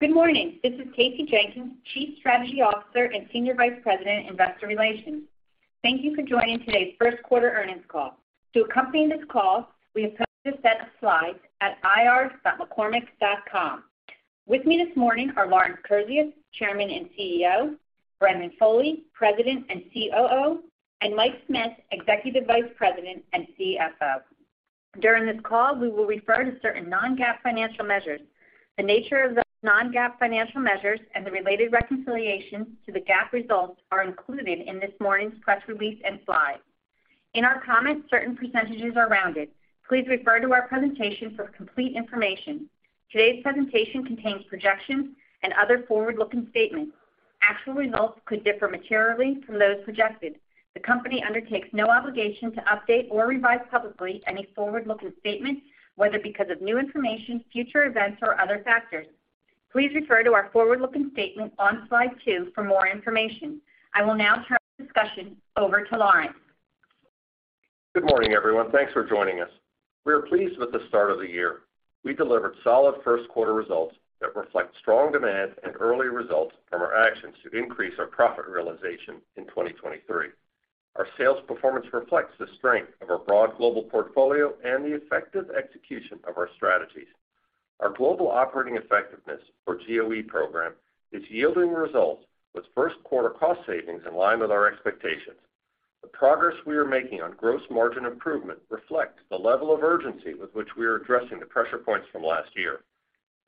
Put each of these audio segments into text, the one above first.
Good morning. This is Kasey Jenkins, Chief Strategy Officer and Senior Vice President, Investor Relations. Thank you for joining today's first quarter earnings call. To accompany this call, we have posted a set of slides at ir.mccormick.com. With me this morning are Lawrence Kurzius, Chairman and CEO, Brendan Foley, President and COO, and Mike Smith, Executive Vice President and CFO. During this call, we will refer to certain non-GAAP financial measures. The nature of the non-GAAP financial measures and the related reconciliations to the GAAP results are included in this morning's press release and slides. In our comments, certain percentages are rounded. Please refer to our presentation for complete information. Today's presentation contains projections and other forward-looking statements. Actual results could differ materially from those projected. The company undertakes no obligation to update or revise publicly any forward-looking statements, whether because of new information, future events, or other factors. Please refer to our forward-looking statement on slide 2 for more information. I will now turn the discussion over to Lawrence. Good morning, everyone. Thanks for joining us. We are pleased with the start of the year. We delivered solid first quarter results that reflect strong demand and early results from our actions to increase our profit realization in 2023. Our sales performance reflects the strength of our broad global portfolio and the effective execution of our strategies. Our Global Operating Effectiveness, or GOE program, is yielding results with first quarter cost savings in line with our expectations. The progress we are making on gross margin improvement reflects the level of urgency with which we are addressing the pressure points from last year.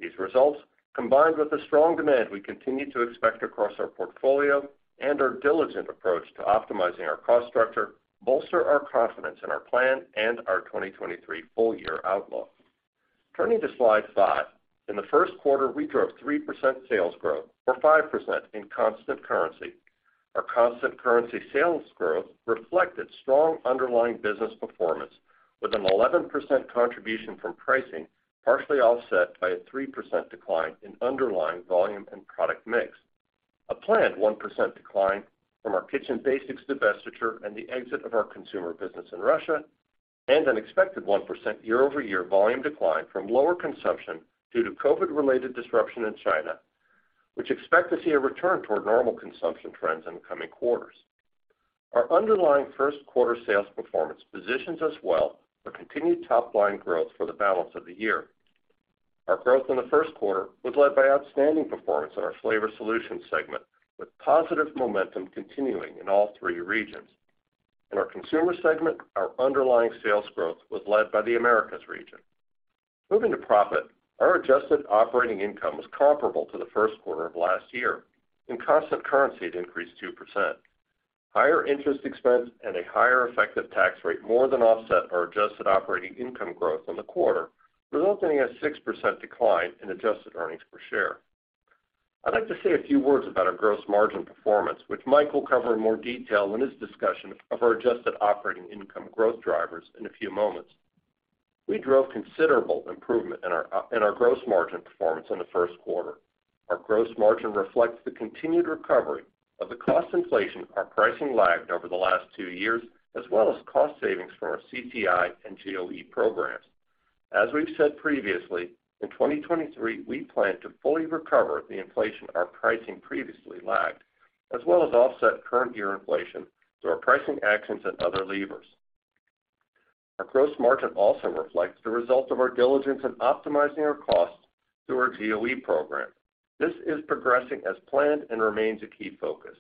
These results, combined with the strong demand we continue to expect across our portfolio and our diligent approach to optimizing our cost structure, bolster our confidence in our plan and our 2023 full year outlook. Turning to slide 5. In the first quarter, we drove 3% sales growth, or 5% in constant currency. Our constant currency sales growth reflected strong underlying business performance, with an 11% contribution from pricing, partially offset by a 3% decline in underlying volume and product mix. A planned 1% decline from our Kitchen Basics divestiture and the exit of our consumer business in Russia, and an expected 1% year-over-year volume decline from lower consumption due to COVID-related disruption in China, which expect to see a return toward normal consumption trends in the coming quarters. Our underlying first quarter sales performance positions us well for continued top line growth for the balance of the year. Our growth in the first quarter was led by outstanding performance in our Flavor Solutions segment, with positive momentum continuing in all three regions. In our Consumer segment, our underlying sales growth was led by the Americas region. Moving to profit, our adjusted operating income was comparable to the first quarter of last year. In constant currency, it increased 2%. Higher interest expense and a higher effective tax rate more than offset our adjusted operating income growth in the quarter, resulting in a 6% decline in adjusted earnings per share. I'd like to say a few words about our gross margin performance, which Mike will cover in more detail in his discussion of our adjusted operating income growth drivers in a few moments. We drove considerable improvement in our gross margin performance in the first quarter. Our gross margin reflects the continued recovery of the cost inflation our pricing lagged over the last two years, as well as cost savings from our CCI and GOE programs. As we've said previously, in 2023, we plan to fully recover the inflation our pricing previously lagged, as well as offset current year inflation through our pricing actions and other levers. Our gross margin also reflects the result of our diligence in optimizing our costs through our GOE program. This is progressing as planned and remains a key focus.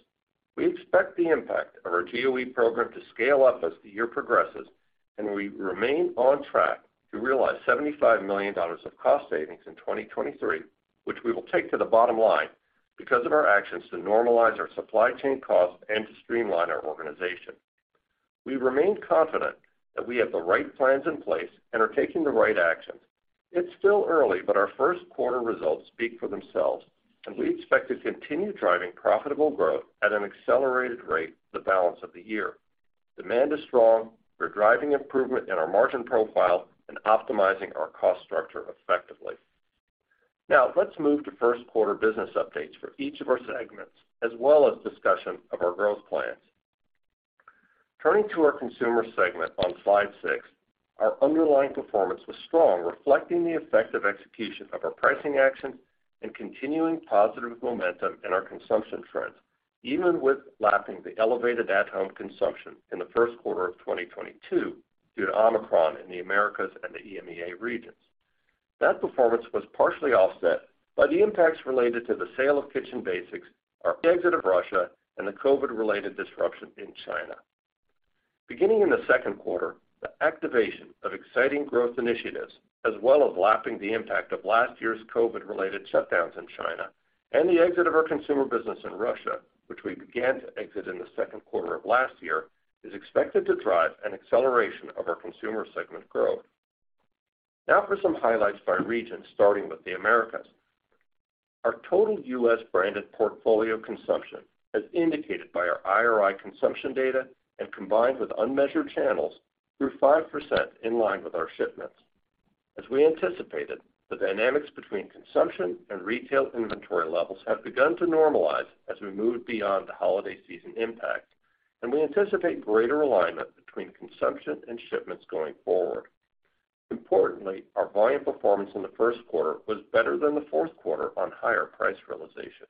We expect the impact of our GOE program to scale up as the year progresses, and we remain on track to realize $75 million of cost savings in 2023, which we will take to the bottom line because of our actions to normalize our supply chain costs and to streamline our organization. We remain confident that we have the right plans in place and are taking the right actions. It's still early. Our first quarter results speak for themselves. We expect to continue driving profitable growth at an accelerated rate for the balance of the year. Demand is strong, we're driving improvement in our margin profile and optimizing our cost structure effectively. Let's move to first quarter business updates for each of our segments, as well as discussion of our growth plans. Turning to our Consumer segment on slide 6. Our underlying performance was strong, reflecting the effective execution of our pricing actions and continuing positive momentum in our consumption trends, even with lapping the elevated at-home consumption in the first quarter of 2022 due to Omicron in the Americas and the EMEA regions. That performance was partially offset by the impacts related to the sale of Kitchen Basics, our exit of Russia, and the COVID-related disruption in China. Beginning in the second quarter, the activation of exciting growth initiatives, as well as lapping the impact of last year's COVID-related shutdowns in China and the exit of our Consumer business in Russia, which we began to exit in the second quarter of last year, is expected to drive an acceleration of our Consumer segment growth. Now for some highlights by region, starting with the Americas. Our total U.S. branded portfolio consumption, as indicated by our IRI consumption data and combined with unmeasured channels, grew 5% in line with our shipments. As we anticipated, the dynamics between consumption and retail inventory levels have begun to normalize as we move beyond the holiday season impact, and we anticipate greater alignment between consumption and shipments going forward. Importantly, our volume performance in the first quarter was better than the fourth quarter on higher price realization.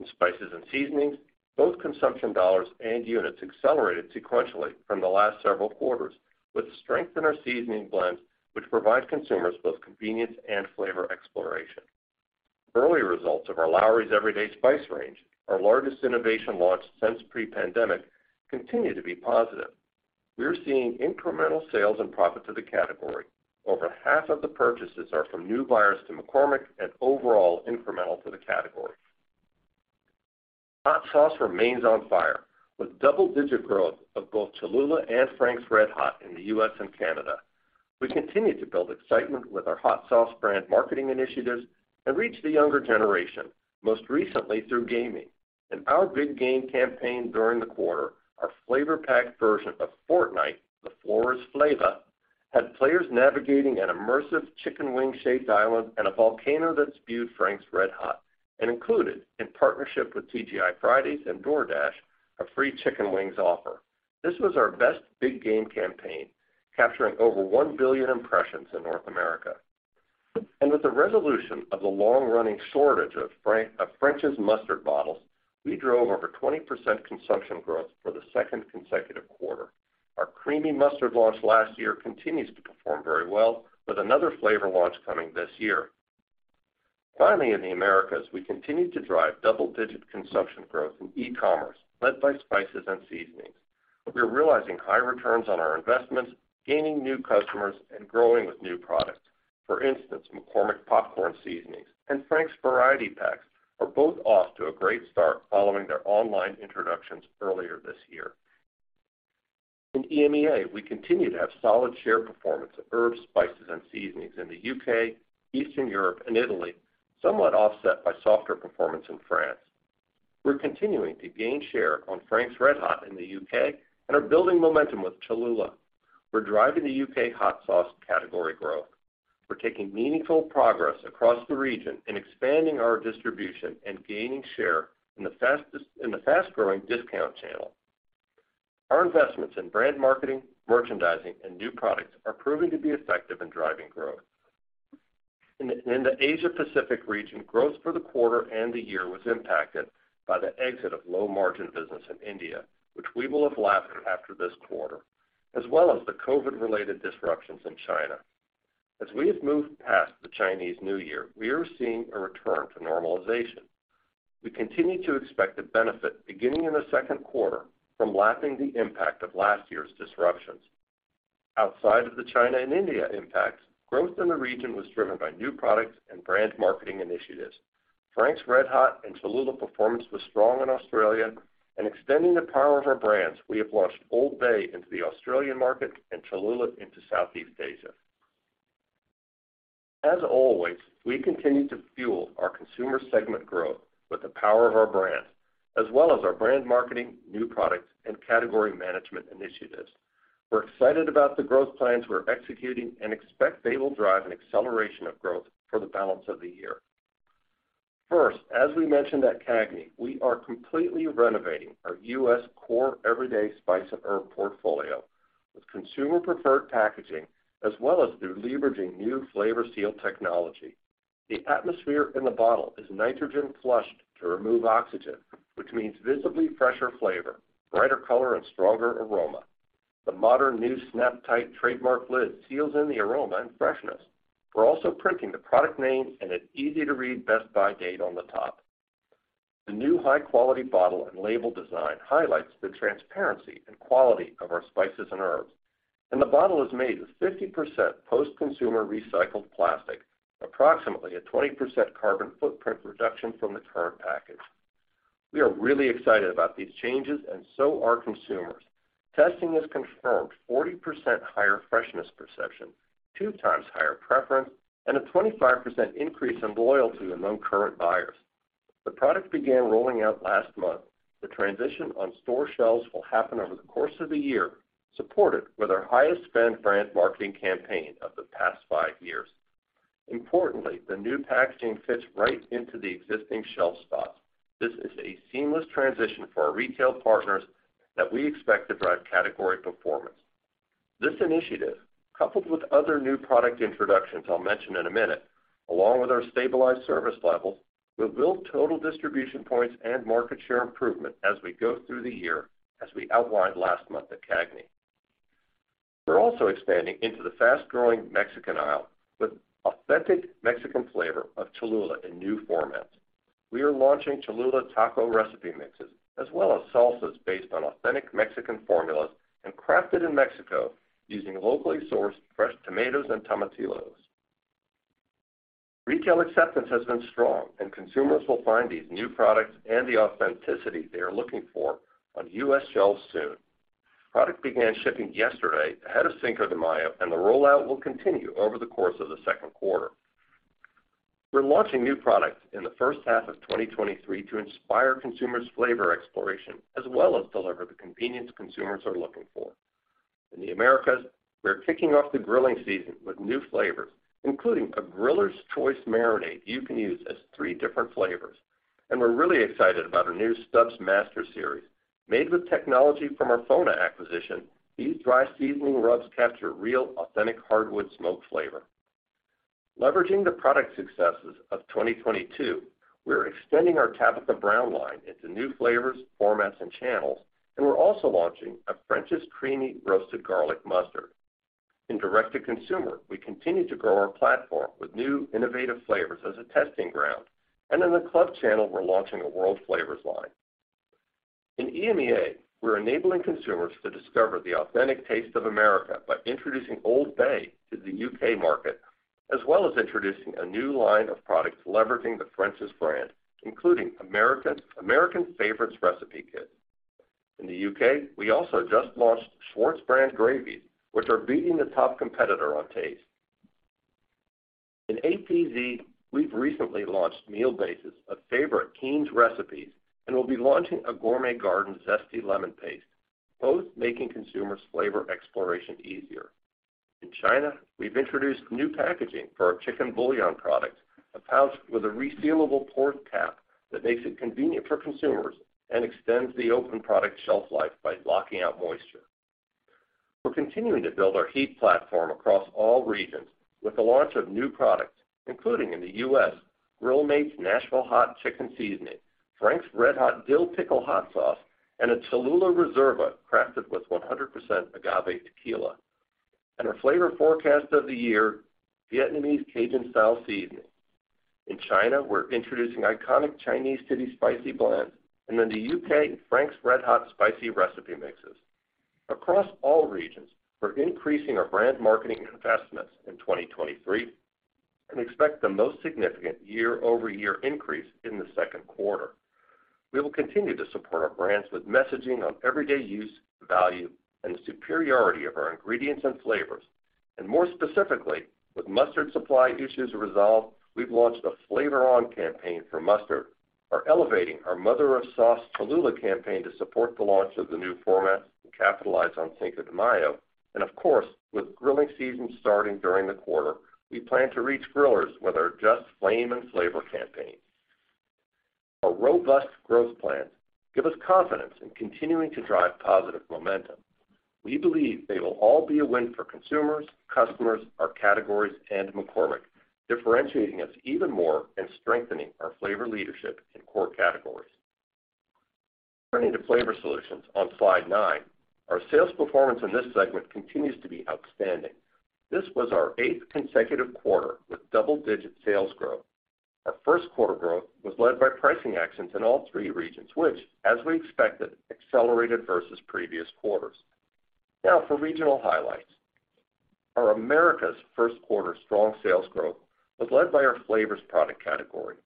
In spices and seasonings, both consumption dollars and units accelerated sequentially from the last several quarters, with strength in our seasoning blends, which provide consumers both convenience and flavor exploration. Early results of our Lawry's Everyday Spice range, our largest innovation launch since pre-pandemic, continue to be positive. We are seeing incremental sales and profit to the category. Over half of the purchases are from new buyers to McCormick and overall incremental to the category. Hot sauce remains on fire, with double-digit growth of both Cholula and Frank's RedHot in the U.S. and Canada. We continue to build excitement with our hot sauce brand marketing initiatives and reach the younger generation, most recently through gaming. In our big game campaign during the quarter, our flavor-packed version of Fortnite, The Floor is Flava, had players navigating an immersive chicken wing-shaped island and a volcano that spewed Frank's RedHot and included, in partnership with TGI Fridays and DoorDash, a free chicken wings offer. This was our best big game campaign, capturing over 1 billion impressions in North America. With the resolution of the long-running shortage of French's mustard bottles, we drove over 20% consumption growth for the second consecutive quarter. Our creamy mustard launch last year continues to perform very well, with another flavor launch coming this year. In the Americas, we continue to drive double-digit consumption growth in e-commerce, led by spices and seasonings. We are realizing high returns on our investments, gaining new customers, and growing with new products. For instance, McCormick popcorn seasonings and Frank's variety packs are both off to a great start following their online introductions earlier this year. In EMEA, we continue to have solid share performance of herbs, spices, and seasonings in the U.K, Eastern Europe, and Italy, somewhat offset by softer performance in France. We're continuing to gain share on Frank's RedHot in the U.K. and are building momentum with Cholula. We're driving the U.K. hot sauce category growth. We're taking meaningful progress across the region in expanding our distribution and gaining share in the fast-growing discount channel. Our investments in brand marketing, merchandising, and new products are proving to be effective in driving growth. In the Asia Pacific region, growth for the quarter and the year was impacted by the exit of low-margin business in India, which we will have lapped after this quarter, as well as the COVID-related disruptions in China. As we have moved past the Chinese New Year, we are seeing a return to normalization. We continue to expect the benefit beginning in the second quarter from lapping the impact of last year's disruptions. Outside of the China and India impacts, growth in the region was driven by new products and brand marketing initiatives. Frank's RedHot and Cholula performance was strong in Australia, and extending the power of our brands, we have launched Old Bay into the Australian market and Cholula into Southeast Asia. As always, we continue to fuel our Consumer segment growth with the power of our brands, as well as our brand marketing, new products, and category management initiatives. We're excited about the growth plans we're executing and expect they will drive an acceleration of growth for the balance of the year. First, as we mentioned at CAGNY, we are completely renovating our U.S. core everyday spice and herb portfolio with consumer-preferred packaging as well as through leveraging new FlavorSeal technology. The atmosphere in the bottle is nitrogen-flushed to remove oxygen, which means visibly fresher flavor, brighter color, and stronger aroma. The modern new SnapTite trademark lid seals in the aroma and freshness. We're also printing the product name and an easy-to-read best-by date on the top. The new high-quality bottle and label design highlights the transparency and quality of our spices and herbs, and the bottle is made with 50% post-consumer recycled plastic, approximately a 20% carbon footprint reduction from the current package. We are really excited about these changes and so are consumers. Testing has confirmed 40% higher freshness perception, 2x higher preference, and a 25% increase in loyalty among current buyers. The product began rolling out last month. The transition on store shelves will happen over the course of the year, supported with our highest-spend brand marketing campaign of the past 5 years. Importantly, the new packaging fits right into the existing shelf spots. This is a seamless transition for our retail partners that we expect to drive category performance. This initiative, coupled with other new product introductions I'll mention in a minute, along with our stabilized service levels, will build total distribution points and market share improvement as we go through the year, as we outlined last month at CAGNY. We're also expanding into the fast-growing Mexican aisle with authentic Mexican flavor of Cholula in new formats. We are launching Cholula taco recipe mixes as well as salsas based on authentic Mexican formulas and crafted in Mexico using locally sourced fresh tomatoes and tomatillos. Retail acceptance has been strong. Consumers will find these new products and the authenticity they are looking for on U.S. shelves soon. Product began shipping yesterday ahead of Cinco de Mayo. The rollout will continue over the course of the second quarter. We're launching new products in the first half of 2023 to inspire consumers' flavor exploration as well as deliver the convenience consumers are looking for. In the Americas, we're kicking off the grilling season with new flavors, including a griller's choice marinade you can use as 3 different flavors. We're really excited about our new Stubb's Master Series. Made with technology from our FONA acquisition, these dry seasoning rubs capture real, authentic hardwood smoke flavor. Leveraging the product successes of 2022, we're extending our Tabitha Brown line into new flavors, formats, and channels. We're also launching a French's Creamy Roasted Garlic Mustard. In direct-to-consumer, we continue to grow our platform with new innovative flavors as a testing ground. In the club channel, we're launching a world flavors line. In EMEA, we're enabling consumers to discover the authentic taste of America by introducing Old Bay to the U.K. market, as well as introducing a new line of products leveraging the French's brand, including American Favourites Recipe Kit. In the U.K, we also just launched Schwartz brand gravies, which are beating the top competitor on taste. In APZ, we've recently launched meal bases of favorite Keen's recipes, and we'll be launching a Gourmet Garden zesty lemon paste, both making consumers' flavor exploration easier. In China, we've introduced new packaging for our chicken bouillon product, a pouch with a resealable pour cap that makes it convenient for consumers and extends the open product shelf life by locking out moisture. We're continuing to build our HEAT platform across all regions with the launch of new products, including in the U.S, Grill Mates Nashville Hot Chicken Seasoning, Frank's RedHot Dill Pickle Hot Sauce, and a Cholula Reserva crafted with 100% agave tequila. Our Flavor of the Year, Vietnamese x Cajun Style Seasoning. In China, we're introducing iconic Chinese city spicy blends, and in the U.K, Frank's RedHot spicy recipe mixes. Across all regions, we're increasing our brand marketing investments in 2023 and expect the most significant year-over-year increase in the second quarter. We will continue to support our brands with messaging on everyday use, value, and the superiority of our ingredients and flavors. More specifically, with mustard supply issues resolved, we've launched a Flavor Up campaign for mustard. Are elevating our Mother of Sauce Cholula campaign to support the launch of the new format and capitalize on Cinco de Mayo. Of course, with grilling season starting during the quarter, we plan to reach grillers with our Just Flame and Flavor campaign. Our robust growth plans give us confidence in continuing to drive positive momentum. We believe they will all be a win for consumers, customers, our categories, and McCormick, differentiating us even more and strengthening our flavor leadership in core categories. Turning to Flavor Solutions on slide nine, our sales performance in this segment continues to be outstanding. This was our eighth consecutive quarter with double-digit sales growth. Our first quarter growth was led by pricing actions in all three regions, which, as we expected, accelerated versus previous quarters. Now for regional highlights. Our Americas first quarter strong sales growth was led by our flavors product category.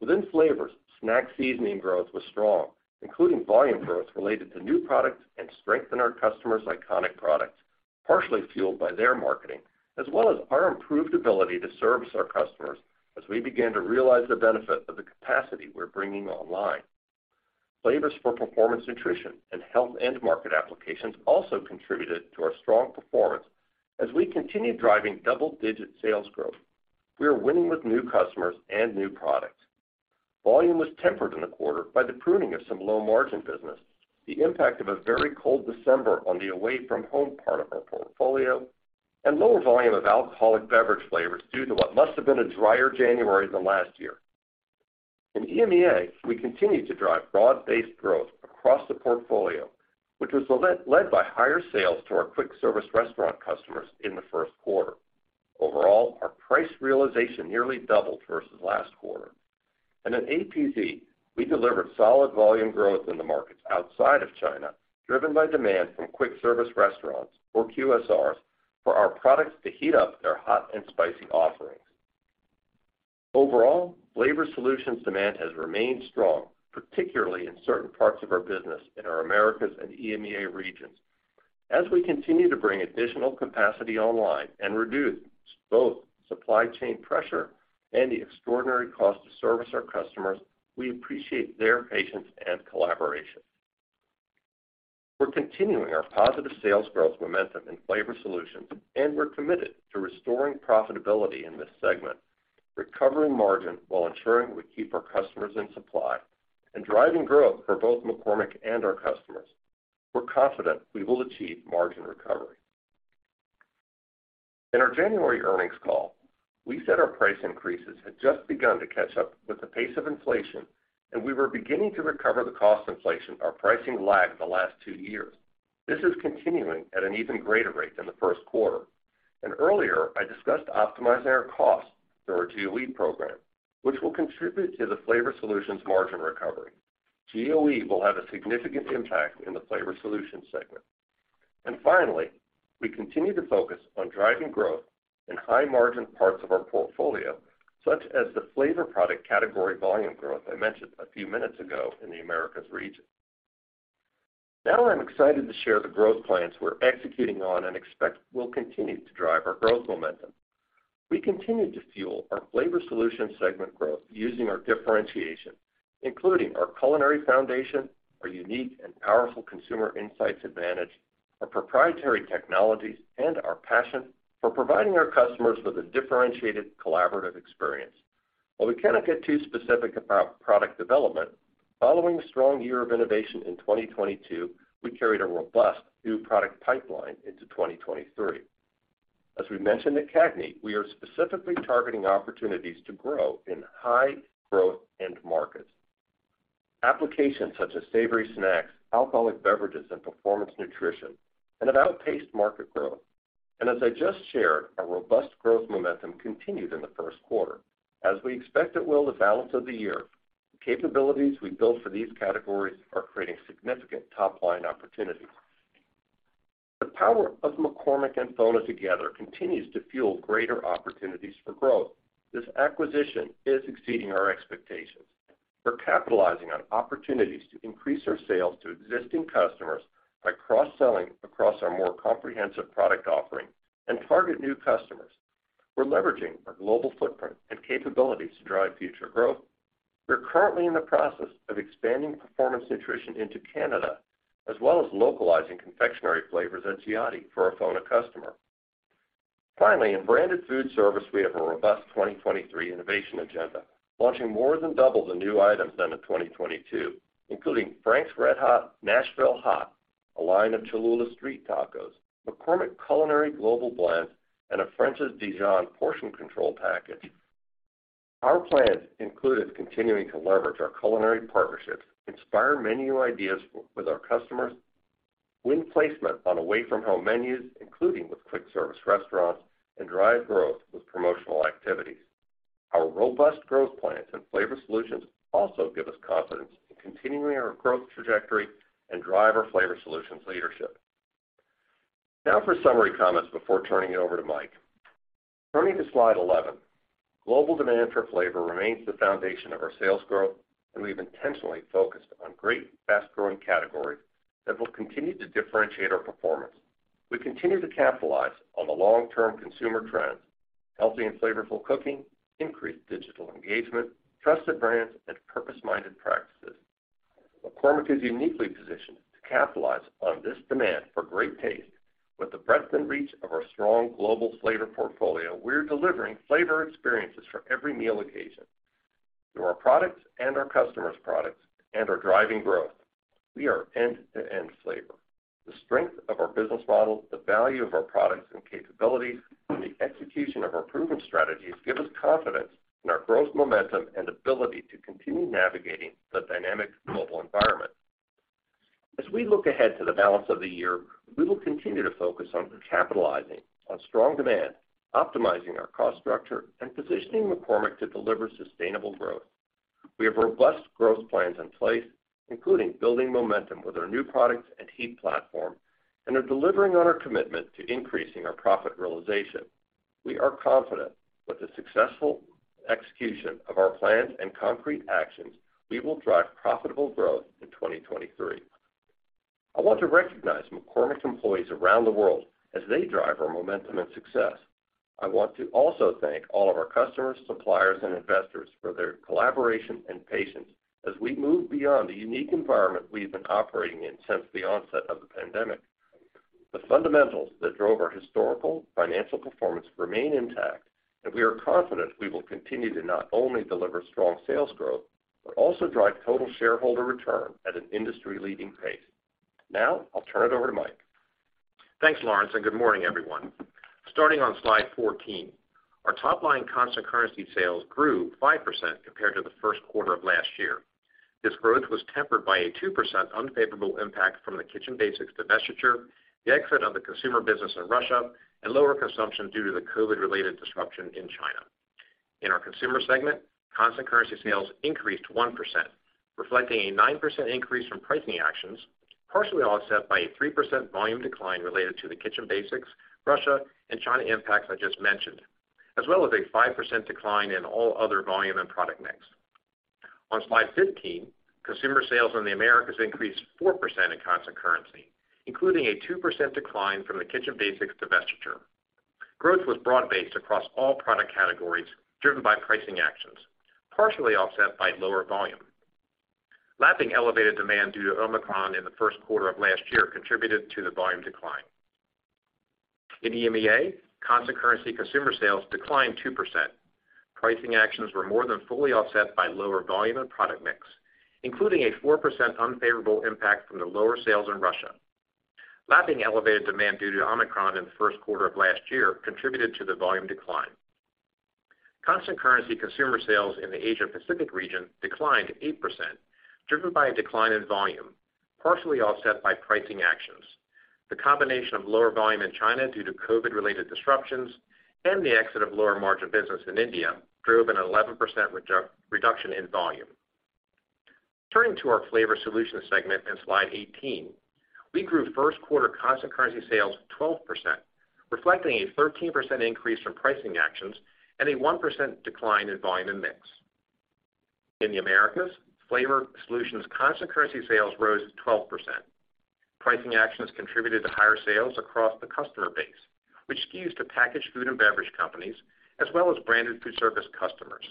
Within flavors, snack seasoning growth was strong, including volume growth related to new products and strength in our customers' iconic products, partially fueled by their marketing, as well as our improved ability to service our customers as we begin to realize the benefit of the capacity we're bringing online. Flavors for performance nutrition and health end market applications also contributed to our strong performance as we continue driving double-digit sales growth. We are winning with new customers and new products. Volume was tempered in the quarter by the pruning of some low-margin business, the impact of a very cold December on the away-from-home part of our portfolio, and lower volume of alcoholic beverage flavors due to what must have been a drier January than last year. In EMEA, we continued to drive broad-based growth across the portfolio, which was led by higher sales to our quick service restaurant customers in the first quarter. Overall, our price realization nearly doubled versus last quarter. In APZ, we delivered solid volume growth in the markets outside of China, driven by demand from quick service restaurants, or QSRs, for our products to heat up their hot and spicy offerings. Overall, Flavor Solutions demand has remained strong, particularly in certain parts of our business in our Americas and EMEA regions. As we continue to bring additional capacity online and reduce both supply chain pressure and the extraordinary cost to service our customers, we appreciate their patience and collaboration. We're continuing our positive sales growth momentum in Flavor Solutions. We're committed to restoring profitability in this segment, recovering margin while ensuring we keep our customers in supply and driving growth for both McCormick and our customers. We're confident we will achieve margin recovery. In our January earnings call, we said our price increases had just begun to catch up with the pace of inflation. We were beginning to recover the cost inflation our pricing lagged the last 2 years. This is continuing at an even greater rate than the first quarter. Earlier, I discussed optimizing our costs through our GOE program, which will contribute to the Flavor Solutions margin recovery. GOE will have a significant impact in the Flavor Solutions segment. Finally, we continue to focus on driving growth in high-margin parts of our portfolio, such as the flavor product category volume growth I mentioned a few minutes ago in the Americas region. I'm excited to share the growth plans we're executing on and expect will continue to drive our growth momentum. We continue to fuel our Flavor Solutions segment growth using our differentiation, including our culinary foundation, our unique and powerful consumer insights advantage. Our proprietary technologies and our passion for providing our customers with a differentiated collaborative experience. While we cannot get too specific about product development, following a strong year of innovation in 2022, we carried a robust new product pipeline into 2023. As we mentioned at CAGNY, we are specifically targeting opportunities to grow in high-growth end markets. Applications such as savory snacks, alcoholic beverages, and performance nutrition, and have outpaced market growth. As I just shared, our robust growth momentum continued in the first quarter. As we expect it will the balance of the year, capabilities we built for these categories are creating significant top-line opportunities. The power of McCormick and FONA together continues to fuel greater opportunities for growth. This acquisition is exceeding our expectations. We're capitalizing on opportunities to increase our sales to existing customers by cross-selling across our more comprehensive product offering and target new customers. We're leveraging our global footprint and capabilities to drive future growth. We're currently in the process of expanding performance nutrition into Canada, as well as localizing confectionary flavors at Ciati for a FONA customer. Finally, in branded food service, we have a robust 2023 innovation agenda, launching more than double the new items than in 2022, including Frank's RedHot Nashville Hot, a line of Cholula Street Tacos, McCormick Culinary Global Blend, and a French's Dijon portion control packets. Our plans included continuing to leverage our culinary partnerships, inspire menu ideas with our customers, win placement on away from home menus, including with quick service restaurants, and drive growth with promotional activities. Our robust growth plans and Flavor Solutions also give us confidence in continuing our growth trajectory and drive our Flavor Solutions leadership. Now for summary comments before turning it over to Mike. Turning to slide 11, global demand for flavor remains the foundation of our sales growth, and we've intentionally focused on great fast-growing categories that will continue to differentiate our performance. We continue to capitalize on the long-term consumer trends, healthy and flavorful cooking, increased digital engagement, trusted brands, and purpose-minded practices. McCormick is uniquely positioned to capitalize on this demand for great taste. With the breadth and reach of our strong global flavor portfolio, we're delivering flavor experiences for every meal occasion through our products and our customers' products and are driving growth. We are end-to-end flavor. The strength of our business model, the value of our products and capabilities, and the execution of our proven strategies give us confidence in our growth momentum and ability to continue navigating the dynamic global environment. As we look ahead to the balance of the year, we will continue to focus on capitalizing on strong demand, optimizing our cost structure, and positioning McCormick to deliver sustainable growth. We have robust growth plans in place, including building momentum with our new products and HEAT platform, are delivering on our commitment to increasing our profit realization. We are confident with the successful execution of our plans and concrete actions, we will drive profitable growth in 2023. I want to recognize McCormick's employees around the world as they drive our momentum and success. I want to also thank all of our customers, suppliers, and investors for their collaboration and patience as we move beyond the unique environment we've been operating in since the onset of the pandemic. The fundamentals that drove our historical financial performance remain intact, we are confident we will continue to not only deliver strong sales growth, but also drive total shareholder return at an industry-leading pace. I'll turn it over to Mike. Thanks, Lawrence. Good morning, everyone. Starting on slide 14, our top line constant currency sales grew 5% compared to the first quarter of last year. This growth was tempered by a 2% unfavorable impact from the Kitchen Basics divestiture, the exit of the Consumer business in Russia, and lower consumption due to the COVID-related disruption in China. In our Consumer segment, constant currency sales increased 1%, reflecting a 9% increase from pricing actions, partially offset by a 3% volume decline related to the Kitchen Basics, Russia, and China impacts I just mentioned, as well as a 5% decline in all other volume and product mix. On slide 15, Consumer sales in the Americas increased 4% in constant currency, including a 2% decline from the Kitchen Basics divestiture. Growth was broad-based across all product categories driven by pricing actions, partially offset by lower volume. Lapping elevated demand due to Omicron in the first quarter of last year contributed to the volume decline. In EMEA, constant currency consumer sales declined 2%. Pricing actions were more than fully offset by lower volume and product mix, including a 4% unfavorable impact from the lower sales in Russia. Lapping elevated demand due to Omicron in the first quarter of last year contributed to the volume decline. Constant currency consumer sales in the Asia Pacific region declined 8%, driven by a decline in volume, partially offset by pricing actions. The combination of lower volume in China due to COVID-related disruptions and the exit of lower margin business in India drove an 11% reduction in volume. Turning to our Flavor Solutions segment in slide 18, we grew first quarter constant currency sales 12%, reflecting a 13% increase from pricing actions and a 1% decline in volume and mix. In the Americas, Flavor Solutions constant currency sales rose 12%. Pricing actions contributed to higher sales across the customer base, which skews to packaged food and beverage companies, as well as branded food service customers.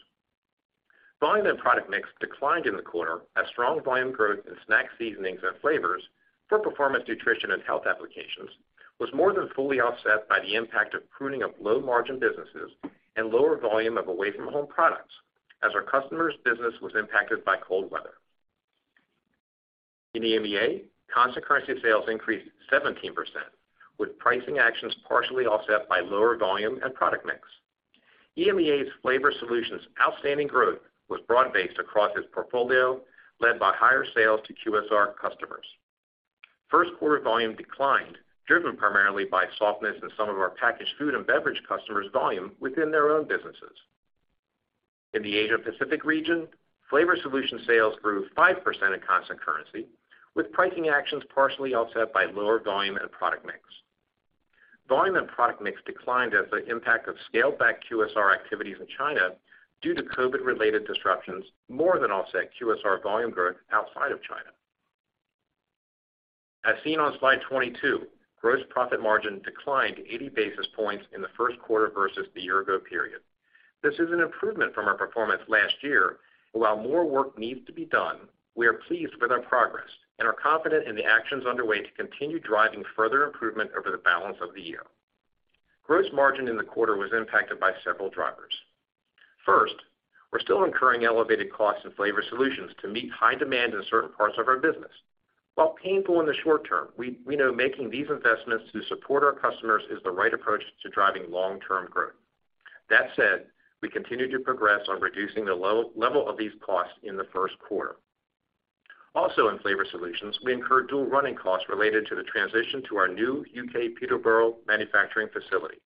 Volume and product mix declined in the quarter as strong volume growth in snack seasonings and flavors for performance nutrition and health applications was more than fully offset by the impact of pruning of low margin businesses and lower volume of away from home products as our customers' business was impacted by cold weather. In EMEA, constant currency sales increased 17% with pricing actions partially offset by lower volume and product mix. EMEA's Flavor Solutions outstanding growth was broad-based across its portfolio, led by higher sales to QSR customers. First quarter volume declined, driven primarily by softness in some of our packaged food and beverage customers' volume within their own businesses. In the Asia Pacific region, Flavor Solutions sales grew 5% in constant currency, with pricing actions partially offset by lower volume and product mix. Volume and product mix declined as the impact of scaled back QSR activities in China due to COVID-related disruptions more than offset QSR volume growth outside of China. As seen on slide 22, gross profit margin declined 80 basis points in the first quarter versus the year ago period. This is an improvement from our performance last year. While more work needs to be done, we are pleased with our progress and are confident in the actions underway to continue driving further improvement over the balance of the year. Gross margin in the quarter was impacted by several drivers. First, we're still incurring elevated costs in Flavor Solutions to meet high demand in certain parts of our business. While painful in the short term, we know making these investments to support our customers is the right approach to driving long-term growth. That said, we continue to progress on reducing the level of these costs in the first quarter. Also in Flavor Solutions, we incur dual running costs related to the transition to our new U.K. Peterborough manufacturing facility.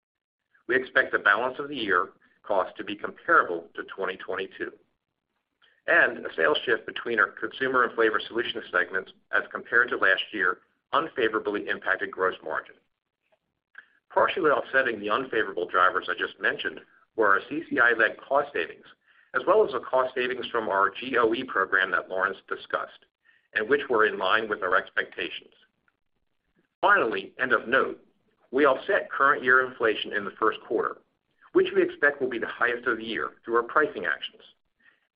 We expect the balance of the year cost to be comparable to 2022. A sales shift between our Consumer and Flavor Solutions segments as compared to last year unfavorably impacted gross margin. Partially offsetting the unfavorable drivers I just mentioned were our CCI-led cost savings, as well as the cost savings from our GOE program that Lawrence discussed and which were in line with our expectations. Finally, end of note, we offset current year inflation in the first quarter, which we expect will be the highest of the year through our pricing actions.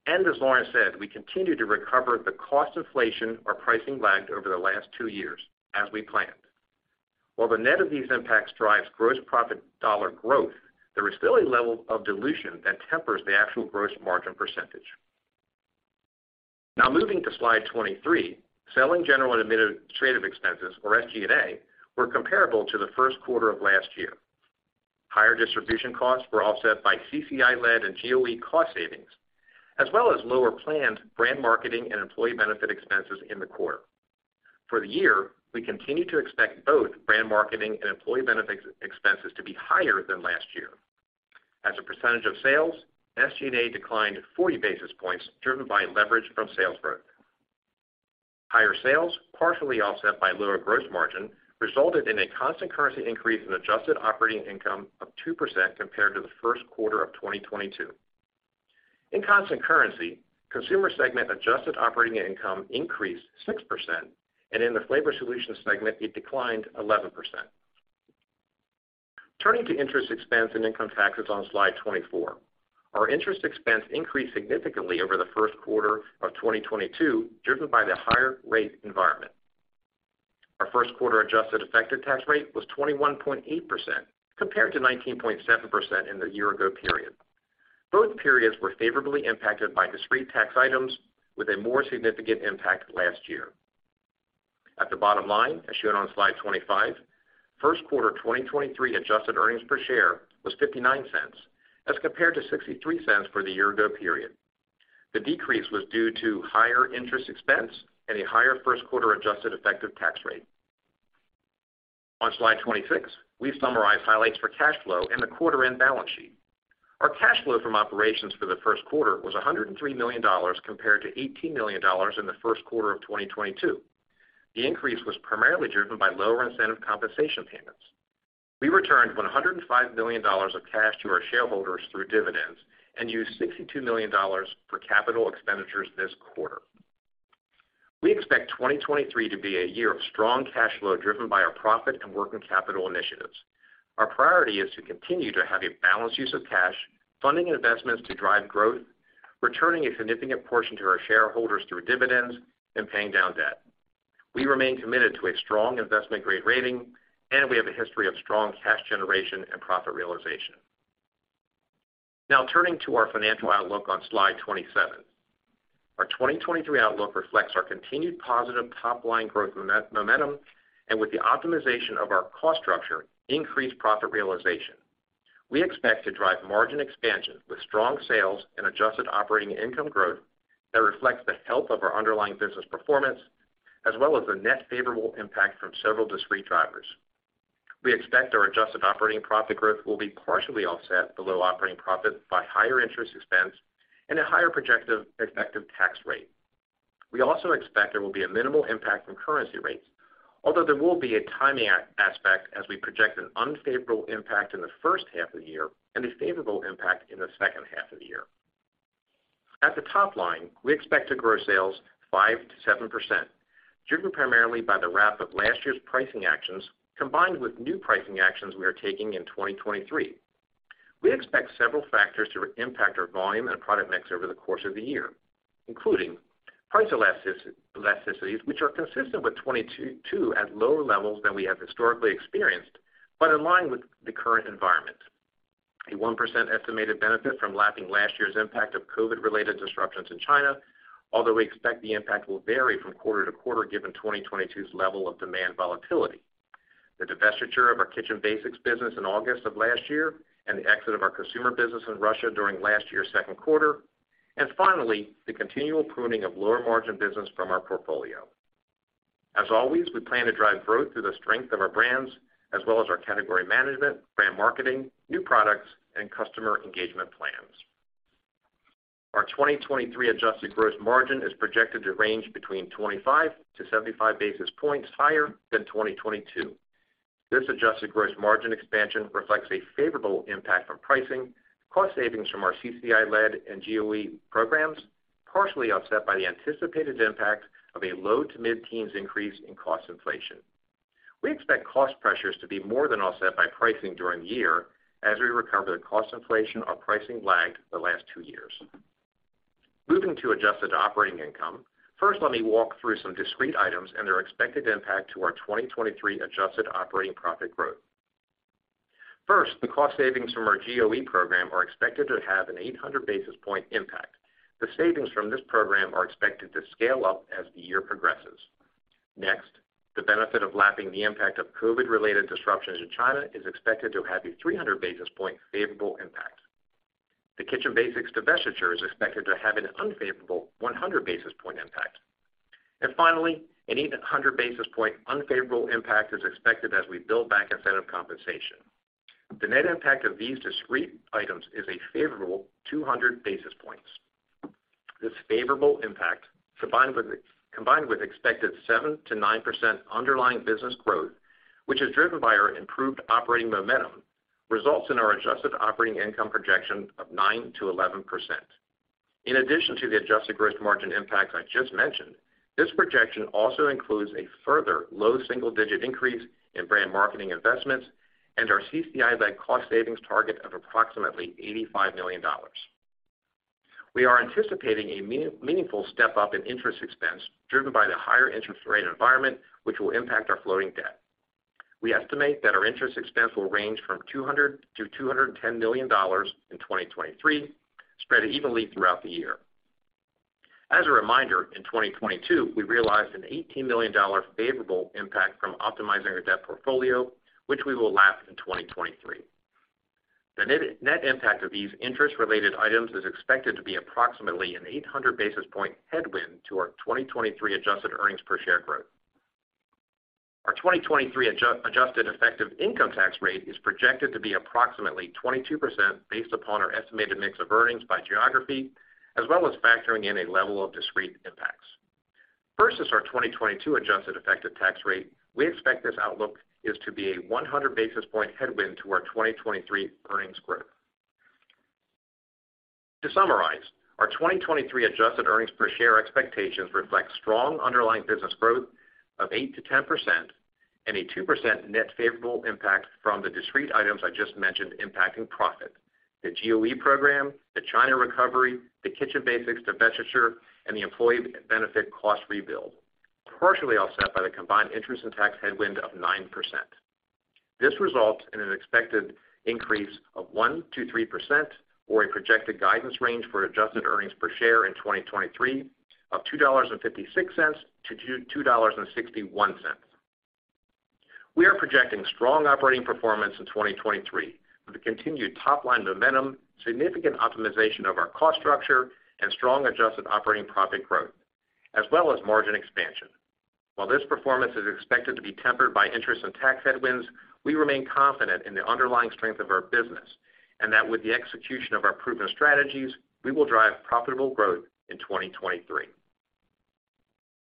As Lawrence said, we continue to recover the cost inflation our pricing lagged over the last two years as we planned. While the net of these impacts drives gross profit dollar growth, there is still a level of dilution that tempers the actual gross margin percentage. Moving to slide 23, selling general and administrative expenses, or SG&A, were comparable to the first quarter of last year. Higher distribution costs were offset by CCI-led and GOE cost savings, as well as lower planned brand marketing and employee benefit expenses in the quarter. For the year, we continue to expect both brand marketing and employee benefits expenses to be higher than last year. As a percentage of sales, SG&A declined 40 basis points driven by leverage from sales growth. Higher sales, partially offset by lower gross margin, resulted in a constant currency increase in adjusted operating income of 2% compared to the first quarter of 2022. In constant currency, Consumer segment adjusted operating income increased 6%, and in the Flavor Solutions segment, it declined 11%. Turning to interest expense and income taxes on slide 24. Our interest expense increased significantly over the first quarter of 2022, driven by the higher rate environment. Our first quarter adjusted effective tax rate was 21.8% compared to 19.7% in the year ago period. Both periods were favorably impacted by discrete tax items with a more significant impact last year. At the bottom line, as shown on slide 25, first quarter 2023 adjusted earnings per share was $0.59 as compared to $0.63 for the year ago period. The decrease was due to higher interest expense and a higher first quarter adjusted effective tax rate. On slide 26, we've summarized highlights for cash flow and the quarter end balance sheet. Our cash flow from operations for the first quarter was $103 million compared to $18 million in the first quarter of 2022. The increase was primarily driven by lower incentive compensation payments. We returned $105 million of cash to our shareholders through dividends and used $62 million for capital expenditures this quarter. We expect 2023 to be a year of strong cash flow driven by our profit and working capital initiatives. Our priority is to continue to have a balanced use of cash, funding investments to drive growth, returning a significant portion to our shareholders through dividends and paying down debt. We remain committed to a strong investment-grade rating, and we have a history of strong cash generation and profit realization. Turning to our financial outlook on slide 27. Our 2023 outlook reflects our continued positive top-line growth moment-momentum, and with the optimization of our cost structure, increased profit realization. We expect to drive margin expansion with strong sales and adjusted operating income growth that reflects the health of our underlying business performance, as well as the net favorable impact from several discrete drivers. We expect our adjusted operating profit growth will be partially offset below operating profit by higher interest expense and a higher projected effective tax rate. We also expect there will be a minimal impact from currency rates, although there will be a timing aspect as we project an unfavorable impact in the first half of the year and a favorable impact in the second half of the year. At the top line, we expect to grow sales 5%-7%, driven primarily by the wrap of last year's pricing actions, combined with new pricing actions we are taking in 2023. We expect several factors to impact our volume and product mix over the course of the year, including price elasticities, which are consistent with 2022 at lower levels than we have historically experienced, but in line with the current environment. A 1% estimated benefit from lapping last year's impact of COVID-related disruptions in China, although we expect the impact will vary from quarter to quarter, given 2022's level of demand volatility. The divestiture of our Kitchen Basics business in August of last year and the exit of our consumer business in Russia during last year's second quarter. Finally, the continual pruning of lower-margin business from our portfolio. As always, we plan to drive growth through the strength of our brands as well as our category management, brand marketing, new products, and customer engagement plans. Our 2023 adjusted gross margin is projected to range between 25 basis points-75 basis points higher than 2022. This adjusted gross margin expansion reflects a favorable impact from pricing, cost savings from our CCI-led and GOE programs, partially offset by the anticipated impact of a low-to-mid-teens increase in cost inflation. We expect cost pressures to be more than offset by pricing during the year as we recover the cost inflation our pricing lagged the last two years. Moving to adjusted operating income, First, let me walk through some discrete items and their expected impact to our 2023 adjusted operating profit growth. First, the cost savings from our GOE program are expected to have an 800 basis point impact. The savings from this program are expected to scale up as the year progresses. Next, the benefit of lapping the impact of COVID-related disruptions in China is expected to have a 300 basis point favorable impact. The Kitchen Basics divestiture is expected to have an unfavorable 100 basis point impact. Finally, an 8 basis points-100 basis point unfavorable impact is expected as we build back incentive compensation. The net impact of these discrete items is a favorable 200 basis points. This favorable impact, combined with expected 7%-9% underlying business growth, which is driven by our improved operating momentum, results in our adjusted operating income projection of 9%-11%. In addition to the adjusted gross margin impact I just mentioned, this projection also includes a further low single-digit increase in brand marketing investments and our CCI-led cost savings target of approximately $85 million. We are anticipating a meaningful step-up in interest expense driven by the higher interest rate environment, which will impact our floating debt. We estimate that our interest expense will range from $200 million-$210 million in 2023, spread evenly throughout the year. As a reminder, in 2022, we realized an $18 million favorable impact from optimizing our debt portfolio, which we will lap in 2023. The net impact of these interest-related items is expected to be approximately an 800 basis point headwind to our 2023 adjusted earnings per share growth. Our 2023 adjusted effective income tax rate is projected to be approximately 22% based upon our estimated mix of earnings by geography, as well as factoring in a level of discrete impacts. Versus our 2022 adjusted effective tax rate, we expect this outlook is to be a 100 basis point headwind to our 2023 earnings growth. To summarize, our 2023 adjusted earnings per share expectations reflect strong underlying business growth of 8%-10% and a 2% net favorable impact from the discrete items I just mentioned impacting profit. The GOE program, the China recovery, the Kitchen Basics divestiture, and the employee benefit cost rebuild, partially offset by the combined interest and tax headwind of 9%. This results in an expected increase of 1%-3% or a projected guidance range for adjusted earnings per share in 2023 of $2.56-$2.61. We are projecting strong operating performance in 2023, with the continued top-line momentum, significant optimization of our cost structure, and strong adjusted operating profit growth, as well as margin expansion. While this performance is expected to be tempered by interest and tax headwinds, we remain confident in the underlying strength of our business, and that with the execution of our proven strategies, we will drive profitable growth in 2023.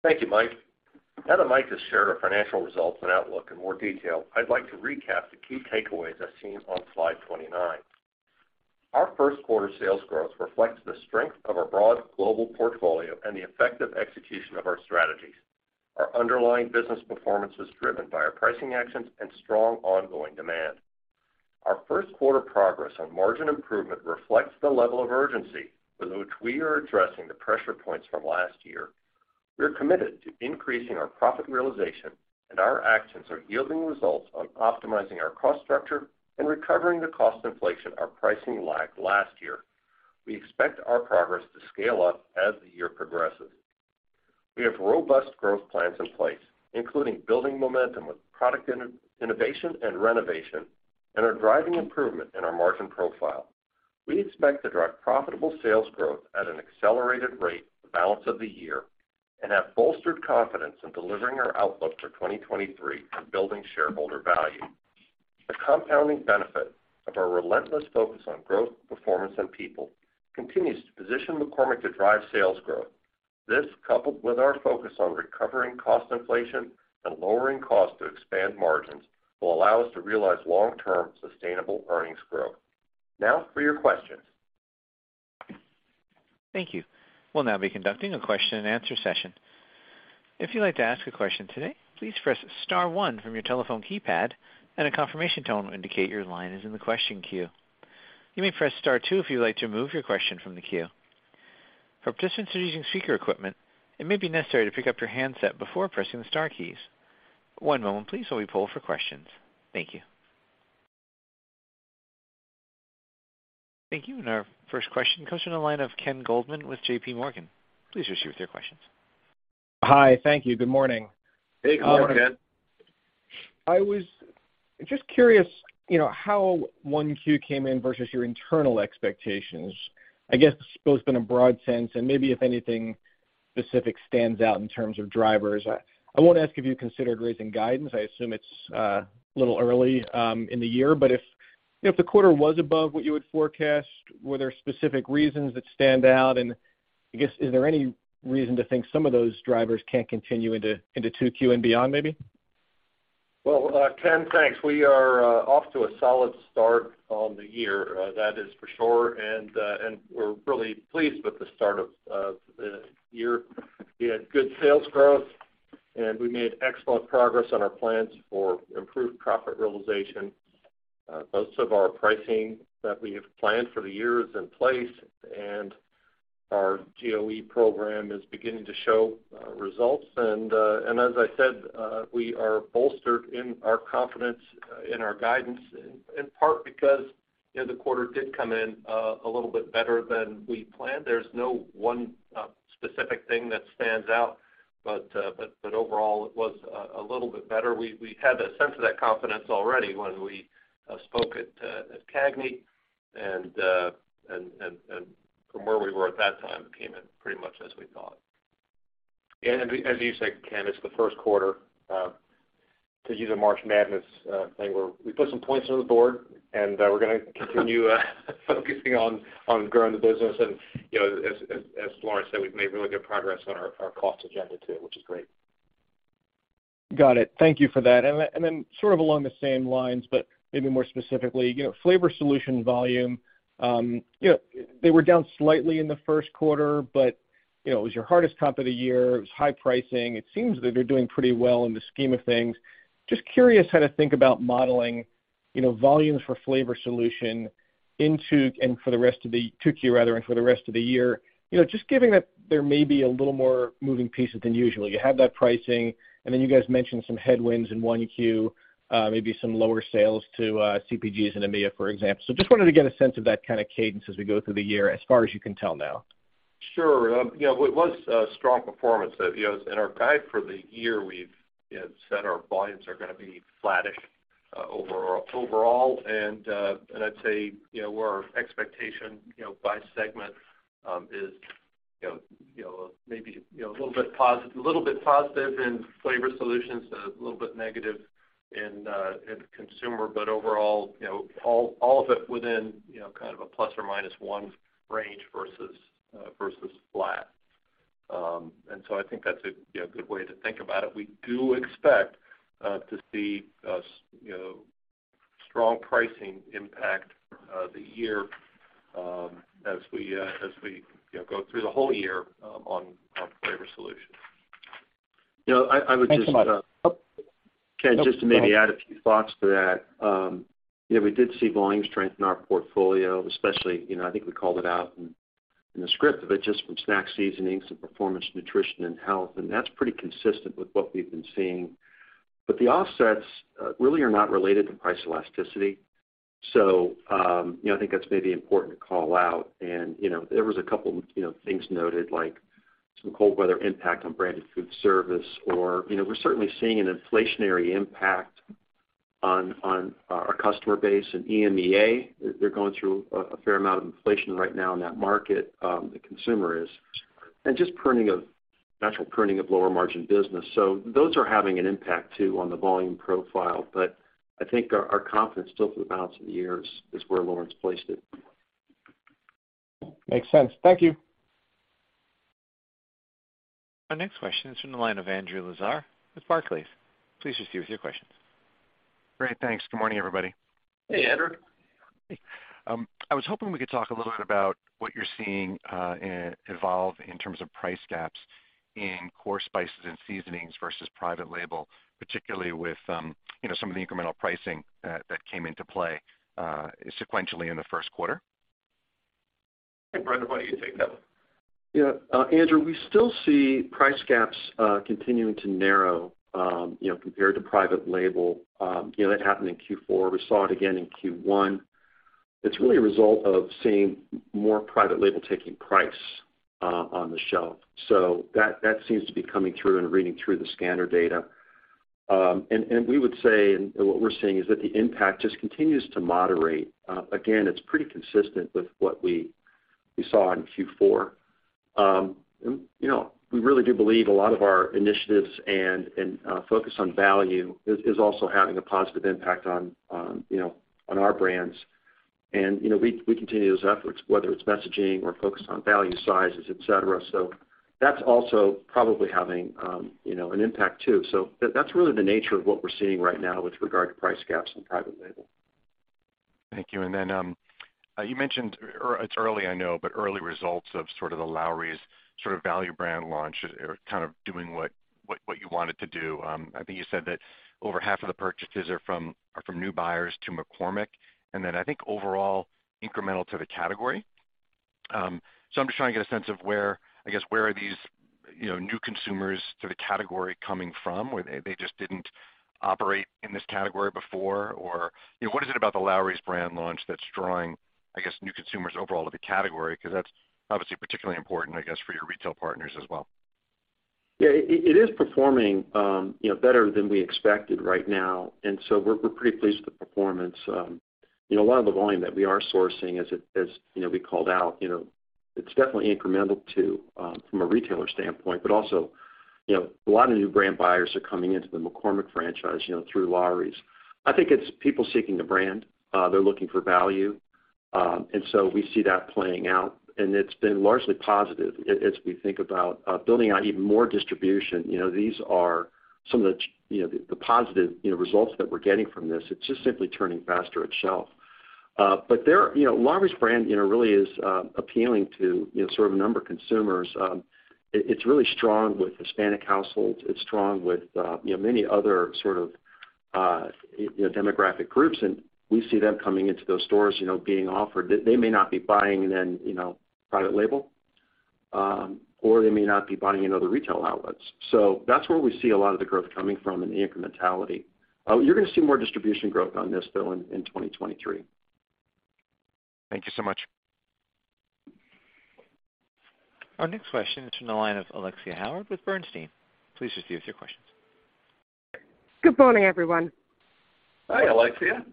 Thank you, Mike. Now that Mike has shared our financial results and outlook in more detail, I'd like to recap the key takeaways as seen on slide 29. Our first quarter sales growth reflects the strength of our broad global portfolio and the effective execution of our strategies. Our underlying business performance was driven by our pricing actions and strong ongoing demand. Our first quarter progress on margin improvement reflects the level of urgency with which we are addressing the pressure points from last year. We're committed to increasing our profit realization, and our actions are yielding results on optimizing our cost structure and recovering the cost inflation our pricing lagged last year. We expect our progress to scale up as the year progresses. We have robust growth plans in place, including building momentum with product innovation and renovation, and are driving improvement in our margin profile. We expect to drive profitable sales growth at an accelerated rate for the balance of the year and have bolstered confidence in delivering our outlook for 2023 and building shareholder value. The compounding benefit of our relentless focus on growth, performance, and people continues to position McCormick to drive sales growth. This, coupled with our focus on recovering cost inflation and lowering costs to expand margins, will allow us to realize long-term sustainable earnings growth. Now for your questions. Thank you. We'll now be conducting a question-and-answer session. If you'd like to ask a question today, please press star one from your telephone keypad, and a confirmation tone will indicate your line is in the question queue. You may press Star two if you'd like to remove your question from the queue. For participants who are using speaker equipment, it may be necessary to pick up your handset before pressing the star keys. One moment please, while we poll for questions. Thank you. Thank you. Our first question comes from the line of Ken Goldman with JPMorgan. Please proceed with your questions. Hi. Thank you. Good morning. Hey, Ken. I was just curious, you know, how 1Q came in versus your internal expectations. I guess both in a broad sense and maybe if anything specific stands out in terms of drivers. I won't ask if you considered raising guidance. I assume it's a little early in the year, but if the quarter was above what you would forecast, were there specific reasons that stand out? I guess, is there any reason to think some of those drivers can't continue into 2Q and beyond, maybe? Well, Ken, thanks. We are off to a solid start on the year, that is for sure. We're really pleased with the start of the year. We had good sales growth, and we made excellent progress on our plans for improved profit realization. Most of our pricing that we have planned for the year is in place, and our GOE program is beginning to show results. As I said, we are bolstered in our confidence in our guidance, in part because, you know, the quarter did come in a little bit better than we planned. There's no one specific thing that stands out, but overall, it was a little bit better. We had a sense of that confidence already when we spoke at CAGNY. From where we were at that time, it came in pretty much as we thought. As you said, Ken, it's the first quarter, to use a March Madness thing where we put some points on the board and we're gonna continue focusing on growing the business. You know, as Lawrence said, we've made really good progress on our cost agenda too, which is great. Got it. Thank you for that. Sort of along the same lines, but maybe more specifically, you know, Flavor Solutions volume, you know, they were down slightly in the 1st quarter, but, you know, it was your hardest comp of the year. It was high pricing. It seems that they're doing pretty well in the scheme of things. Just curious how to think about modeling, you know, volumes for Flavor Solutions into and for the rest of the 2Q, rather, and for the rest of the year. You know, just given that there may be a little more moving pieces than usual. You have that pricing, and then you guys mentioned some headwinds in 1Q, maybe some lower sales to CPGs and EMEIA, for example. Just wanted to get a sense of that kind of cadence as we go through the year, as far as you can tell now. Sure. You know, it was a strong performance. You know, in our guide for the year, we've, you know, said our volumes are gonna be flattish overall. I'd say, you know, where our expectation, you know, by segment, is, you know, you know, maybe, you know, a little bit positive in Flavor Solutions, a little bit negative in Consumer, but overall, you know, all of it within, you know, kind of a ±1 range versus flat. I think that's a, you know, good way to think about it. We do expect to see, you know, strong pricing impact the year, as we, you know, go through the whole year on Flavor Solutions. Thanks so much. You know, I would just. Oh. Ken, just to maybe add a few thoughts to that. You know, we did see volume strength in our portfolio, especially, you know, I think we called it out in the script, but just from snack seasonings to performance nutrition and health, and that's pretty consistent with what we've been seeing. The offsets really are not related to price elasticity. I think that's maybe important to call out. There was a couple, you know, things noted like some cold weather impact on branded food service, or, you know, we're certainly seeing an inflationary impact on our customer base in EMEA. They're going through a fair amount of inflation right now in that market, the consumer is. Just natural pruning of lower margin business. Those are having an impact too on the volume profile. I think our confidence still for the balance of the year is where Lawrence placed it. Makes sense. Thank you. Our next question is from the line of Andrew Lazar with Barclays. Please proceed with your questions. Great. Thanks. Good morning, everybody. Hey, Andrew. Hey. I was hoping we could talk a little bit about what you're seeing evolve in terms of price gaps in core spices and seasonings versus private label, particularly with, you know, some of the incremental pricing that came into play sequentially in the first quarter. Hey, Brendan, why don't you take that one? Yeah. Andrew, we still see price gaps continuing to narrow, you know, compared to private label. You know, it happened in Q4. We saw it again in Q1. It's really a result of seeing more private label taking price on the shelf. That seems to be coming through and reading through the scanner data. We would say, and what we're seeing is that the impact just continues to moderate. Again, it's pretty consistent with what we saw in Q4. You know, we really do believe a lot of our initiatives and focus on value is also having a positive impact on, you know, on our brands. You know, we continue those efforts, whether it's messaging or focused on value sizes, et cetera. That's also probably having, you know, an impact too. That's really the nature of what we're seeing right now with regard to price gaps in private label. Thank you. You mentioned, it's early, I know, but early results of sort of the Lawry's sort of value brand launch are kind of doing what you want it to do. I think you said that over half of the purchases are from new buyers to McCormick, I think overall incremental to the category. I'm just trying to get a sense of where, I guess, where are these, you know, new consumers to the category coming from, where they just didn't operate in this category before? You know, what is it about the Lawry's brand launch that's drawing, I guess, new consumers overall to the category? That's obviously particularly important, I guess, for your retail partners as well. Yeah, it is performing, you know, better than we expected right now. We're pretty pleased with the performance. You know, a lot of the volume that we are sourcing as, you know, we called out, you know, it's definitely incremental to from a retailer standpoint. Also, you know, a lot of new brand buyers are coming into the McCormick franchise, you know, through Lawry's. I think it's people seeking the brand. They're looking for value. We see that playing out, and it's been largely positive as we think about building out even more distribution. You know, these are some of the you know, the positive, you know, results that we're getting from this. It's just simply turning faster at shelf. They're, you know, Lawry's brand, you know, really is appealing to, you know, sort of a number of consumers. It's really strong with Hispanic households. It's strong with, you know, many other sort of, you know, demographic groups, and we see them coming into those stores, you know, being offered. They may not be buying then, you know, private label, or they may not be buying in other retail outlets. That's where we see a lot of the growth coming from in the incrementality. You're gonna see more distribution growth on this, though, in 2023. Thank you so much. Our next question is from the line of Alexia Howard with Bernstein. Please proceed with your questions. Good morning, everyone. Hi, Alexia.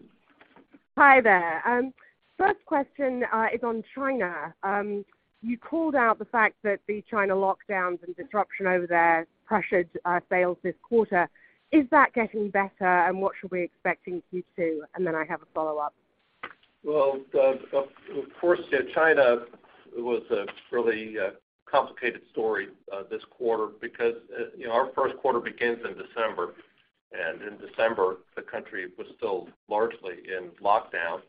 Hi there. First question is on China. You called out the fact that the China lockdowns and disruption over there pressured sales this quarter. Is that getting better, and what should we expect in Q2? I have a follow-up. Well, of course, yeah, China was a really complicated story this quarter because, you know, our first quarter begins in December, and in December, the country was still largely in lockdown.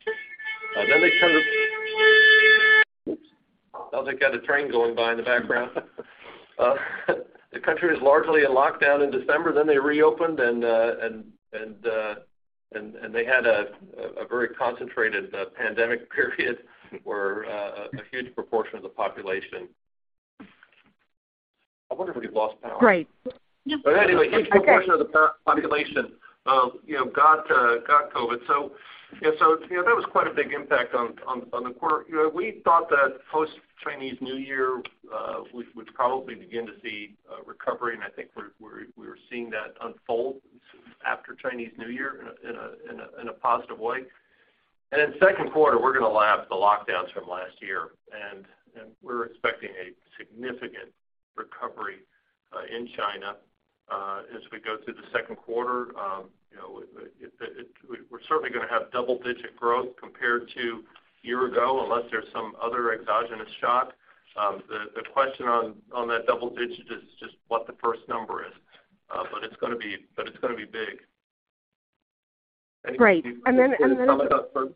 Then they turned... Oops. Now they've got a train going by in the background. The country was largely in lockdown in December, then they reopened, and they had a very concentrated pandemic period where a huge proportion of the population... I wonder if we've lost power? Right. Anyway, a huge proportion of the population, you know, got COVID. Yeah, you know, that was quite a big impact on the quarter. You know, we thought that post-Chinese New Year, we'd probably begin to see a recovery, and I think we're seeing that unfold after Chinese New Year in a positive way. In second quarter, we're gonna lap the lockdowns from last year, and we're expecting a significant recovery in China as we go through the second quarter. You know, we're certainly gonna have double-digit growth compared to year ago, unless there's some other exogenous shock. The question on that double digit is just what the first number is. It's gonna be big. Great. Anything you want to comment on, Mike?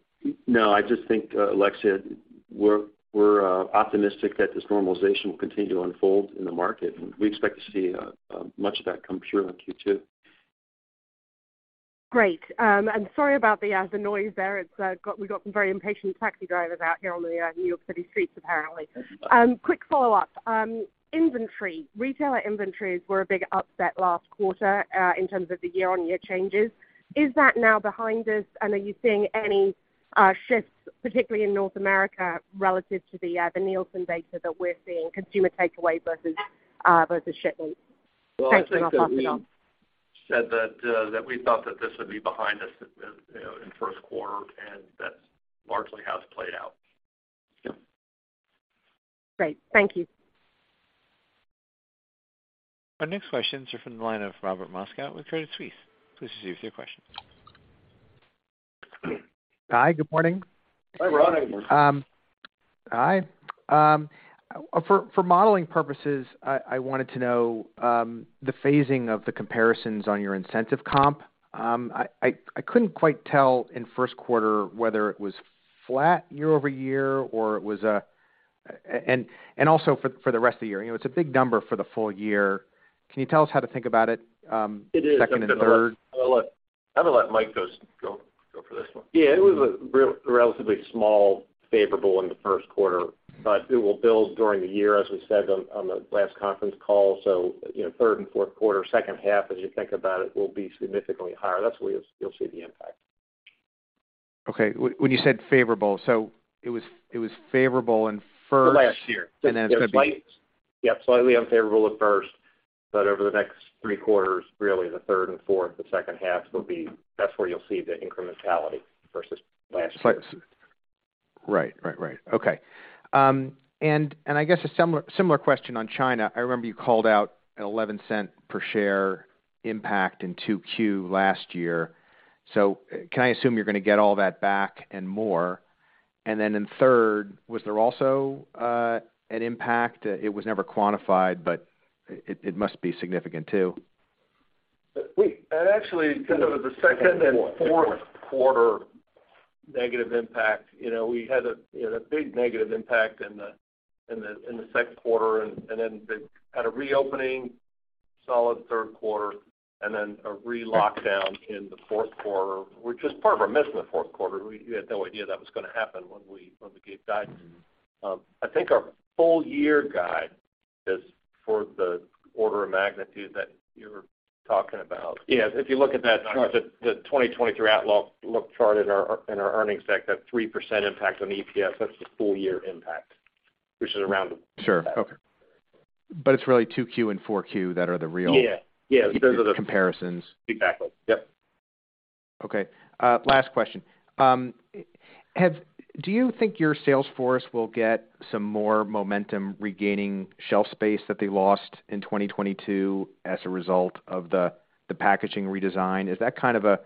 No. I just think, Alexia, we're optimistic that this normalization will continue to unfold in the market, and we expect to see much of that come through in Q2. Great. Sorry about the noise there. It's we've got some very impatient taxi drivers out here on the New York City streets, apparently. Quick follow-up. Inventory. Retailer inventories were a big upset last quarter, in terms of the year-on-year changes. Is that now behind us, and are you seeing any shifts, particularly in North America, relative to the Nielsen data that we're seeing consumer takeaway versus versus shipment? Well, I think that. Thanks very much. That's enough. said that we thought that this would be behind us, you know, in first quarter. That largely has played out. Yep. Great. Thank you. Our next questions are from the line of Robert Moskow with Credit Suisse. Please proceed with your question. Hi, good morning. Hi, Rob. Good morning. Hi. For modeling purposes, I wanted to know the phasing of the comparisons on your incentive comp. I couldn't quite tell in first quarter whether it was flat year-over-year or it was. Also for the rest of the year. You know, it's a big number for the full year. Can you tell us how to think about it. It is. second and third? I'm gonna let Mike go for this one. It was a relatively small favorable in the first quarter, but it will build during the year, as we said on the last conference call. You know, third and fourth quarter, second half, as you think about it, will be significantly higher. That's where you'll see the impact. Okay. When you said favorable, it was favorable in first- Last year. It's gonna be. Slightly unfavorable at first, but over the next three quarters, really the third and fourth, the second half will be. That's where you'll see the incrementality versus last year. Slight. Right. Right. Right. Okay. I guess a similar question on China. I remember you called out a $0.11 per share impact in 2Q last year. Can I assume you're gonna get all that back and more? In third, was there also an impact? It was never quantified, but it must be significant too. Wait. Actually, kind of the second and fourth quarter negative impact, you know, we had a, you know, big negative impact in the second quarter and then had a reopening solid third quarter and then a re-lockdown in the fourth quarter, which is part of our miss in the fourth quarter. We had no idea that was gonna happen when we gave guidance. I think our full year guide is for the order of magnitude that you're talking about. Yes. If you look at that chart, the 2023 outlook chart in our earnings deck, that 3% impact on the EPS, that's the full year impact, which is around. Sure. Okay. It's really 2Q and 4Q that are the real- Yeah. Yeah. -comparisons. Exactly. Yep. Last question. Do you think your sales force will get some more momentum regaining shelf space that they lost in 2022 as a result of the packaging redesign? Is that kind of a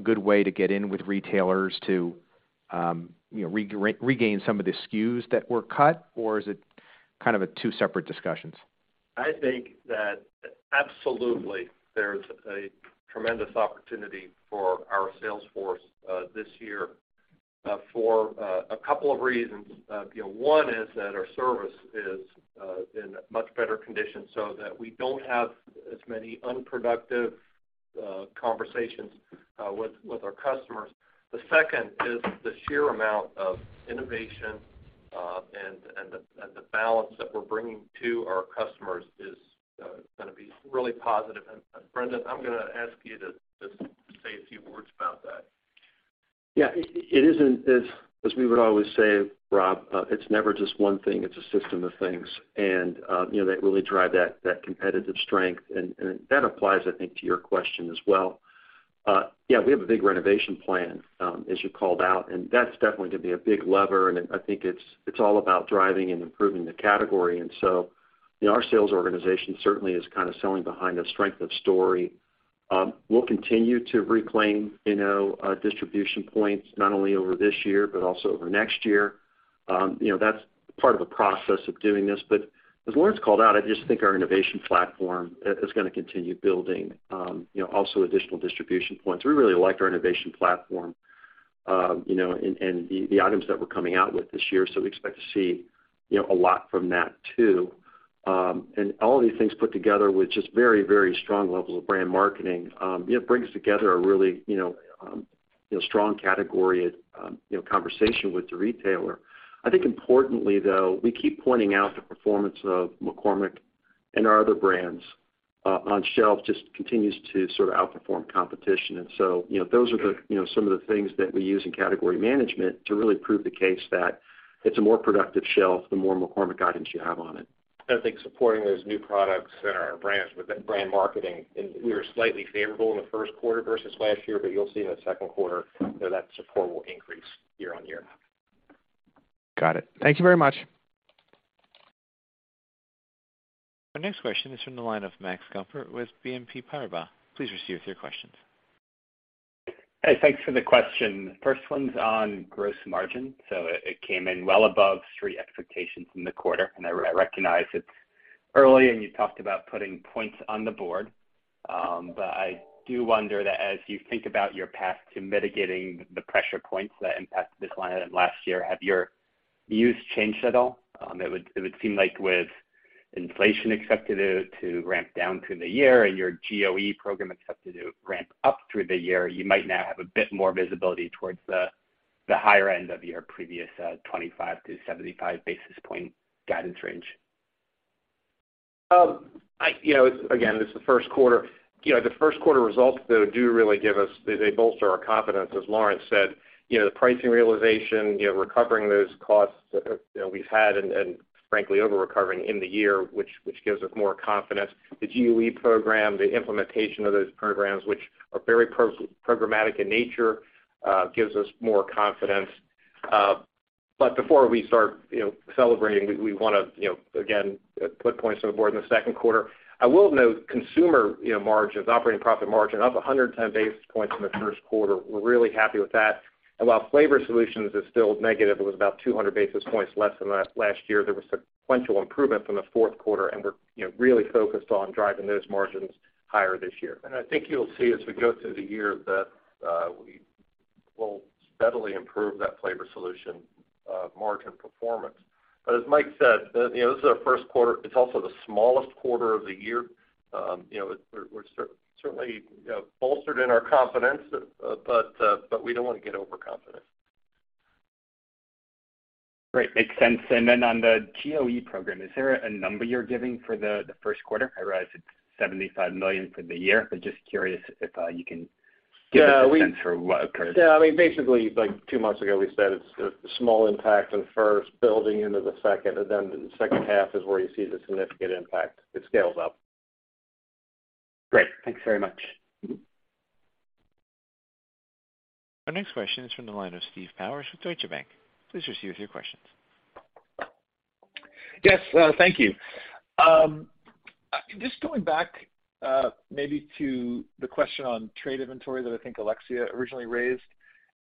good way to get in with retailers to, you know, regain some of the SKUs that were cut, or is it kind of a two separate discussions? I think that absolutely there's a tremendous opportunity for our sales force, this year, for 2 reasons. you know, one is that our service is in much better condition so that we don't have as many unproductive conversations with our customers. The second is the sheer amount of innovation, and the balance that we're bringing to our customers is going to be really positive. Brendan, I'm going to ask you to just say a few words about that. Yeah. It, it isn't as we would always say, Rob, it's never just one thing, it's a system of things. You know, that really drive that competitive strength and that applies, I think, to your question as well. Yeah, we have a big renovation plan, as you called out, and that's definitely gonna be a big lever. I think it's all about driving and improving the category. You know, our sales organization certainly is kind of selling behind a strength of story. We'll continue to reclaim, you know, distribution points not only over this year but also over next year. You know, that's part of the process of doing this. As Lawrence called out, I just think our innovation platform is gonna continue building, you know, also additional distribution points. We really like our innovation platform, you know, and the items that we're coming out with this year, we expect to see, you know, a lot from that too. All of these things put together with just very strong level of brand marketing, you know, brings together a really, you know, strong category, you know, conversation with the retailer. I think importantly, though, we keep pointing out the performance of McCormick and our other brands on shelf just continues to sort of outperform competition. You know, those are the some of the things that we use in category management to really prove the case that it's a more productive shelf, the more McCormick guidance you have on it. I think supporting those new products and our brands with that brand marketing, and we were slightly favorable in the first quarter versus last year, but you'll see in the second quarter that that support will increase year-on-year. Got it. Thank you very much. Our next question is from the line of Max Gumport with BNP Paribas. Please proceed with your questions. Hey, thanks for the question. First one's on gross margin. It came in well above street expectations in the quarter. I recognize it's early, and you talked about putting points on the board. I do wonder that as you think about your path to mitigating the pressure points that impacted this line item last year, have your views changed at all? It would seem like with inflation expected to ramp down through the year and your GOE program expected to ramp up through the year, you might now have a bit more visibility towards the higher end of your previous 25 basis points-75 basis point guidance range. You know, again, this is the first quarter. You know, the first quarter results though, do really give us, they bolster our confidence, as Lawrence said. You know, the pricing realization, you know, recovering those costs, you know, we've had and frankly over-recovering in the year, which gives us more confidence. The GOE program, the implementation of those programs, which are very pro-programmatic in nature, gives us more confidence. Before we start, you know, celebrating, we wanna, you know, again, put points on the board in the second quarter. I will note Consumer, you know, margins, operating profit margin, up 110 basis points in the first quarter. We're really happy with that. While Flavor Solutions is still negative, it was about 200 basis points less than last year. There was sequential improvement from the fourth quarter, and we're, you know, really focused on driving those margins higher this year. I think you'll see as we go through the year that we will steadily improve that Flavor Solutions margin performance. As Mike said, you know, this is our first quarter. It's also the smallest quarter of the year. You know, we're certainly, you know, bolstered in our confidence, but we don't wanna get overconfident. Great. Makes sense. Then on the GOE program, is there a number you're giving for the first quarter? I realize it's $75 million for the year, but just curious if you can give us a sense for what occurred. Yeah, I mean, basically, like two months ago, we said it's a small impact in first building into the second, and then the second half is where you see the significant impact. It scales up. Great. Thanks very much. Our next question is from the line of Steve Powers with Deutsche Bank. Please proceed with your questions. Yes. Thank you. Just going back, maybe to the question on trade inventory that I think Alexia originally raised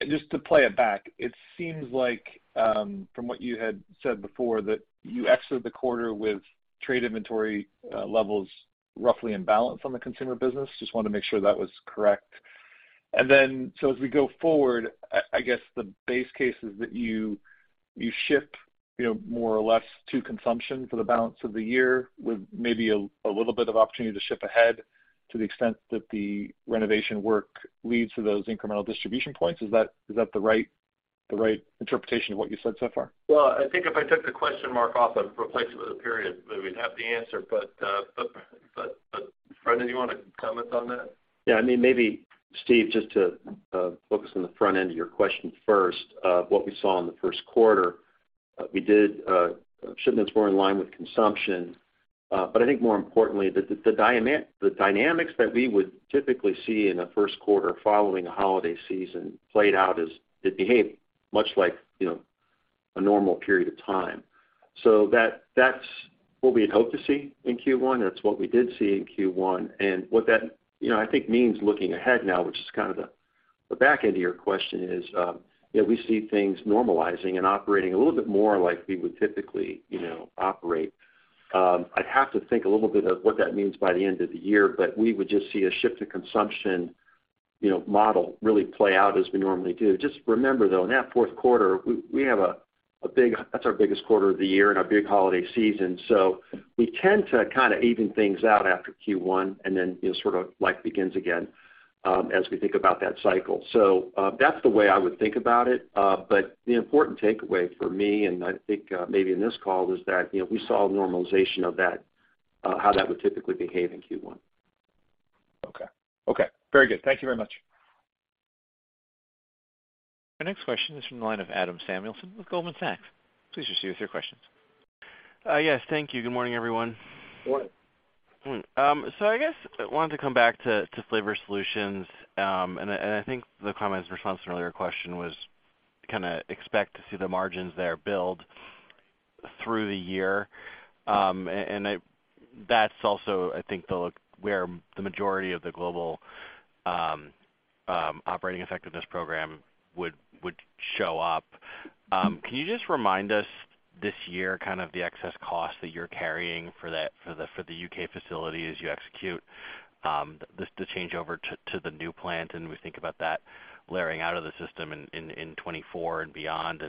Just to play it back, it seems like, from what you had said before, that you exited the quarter with trade inventory, levels roughly in balance on the Consumer business. Just wanna make sure that was correct. As we go forward, I guess the base case is that you ship, you know, more or less to consumption for the balance of the year with maybe a little bit of opportunity to ship ahead to the extent that the renovation work leads to those incremental distribution points. Is that the right interpretation of what you said so far? Well, I think if I took the question mark off and replaced it with a period, we would have the answer. Brendan, did you wanna comment on that? I mean, maybe Steve, just to focus on the front end of your question first, what we saw in the first quarter, we did shipments were in line with consumption. I think more importantly, the dynamics that we would typically see in a first quarter following a holiday season played out as it behaved much like, you know, a normal period of time. That's what we had hoped to see in Q1. That's what we did see in Q1. What that, you know, I think means looking ahead now, which is kind of the back end of your question is, you know, we see things normalizing and operating a little bit more like we would typically, you know, operate. I'd have to think a little bit of what that means by the end of the year, but we would just see a shift to consumption, you know, model really play out as we normally do. Just remember though, in that 4th quarter, we have a big that's our biggest quarter of the year and our big holiday season. We tend to kinda even things out after Q1, and then, you know, sort of life begins again as we think about that cycle. That's the way I would think about it. The important takeaway for me, and I think maybe in this call, is that, you know, we saw normalization of that how that would typically behave in Q1. Okay. Okay. Very good. Thank you very much. Our next question is from the line of Adam Samuelson with Goldman Sachs. Please proceed with your questions. Yes, thank you. Good morning, everyone. Morning. I guess I wanted to come back to Flavor Solutions. I think the comment in response to an earlier question was kinda expect to see the margins there build through the year. That's also I think where the majority of the Global Operating Effectiveness program would show up. Can you just remind us this year kind of the excess cost that you're carrying for the U.K. facility as you execute this, the changeover to the new plant, and we think about that layering out of the system in 2024 and beyond?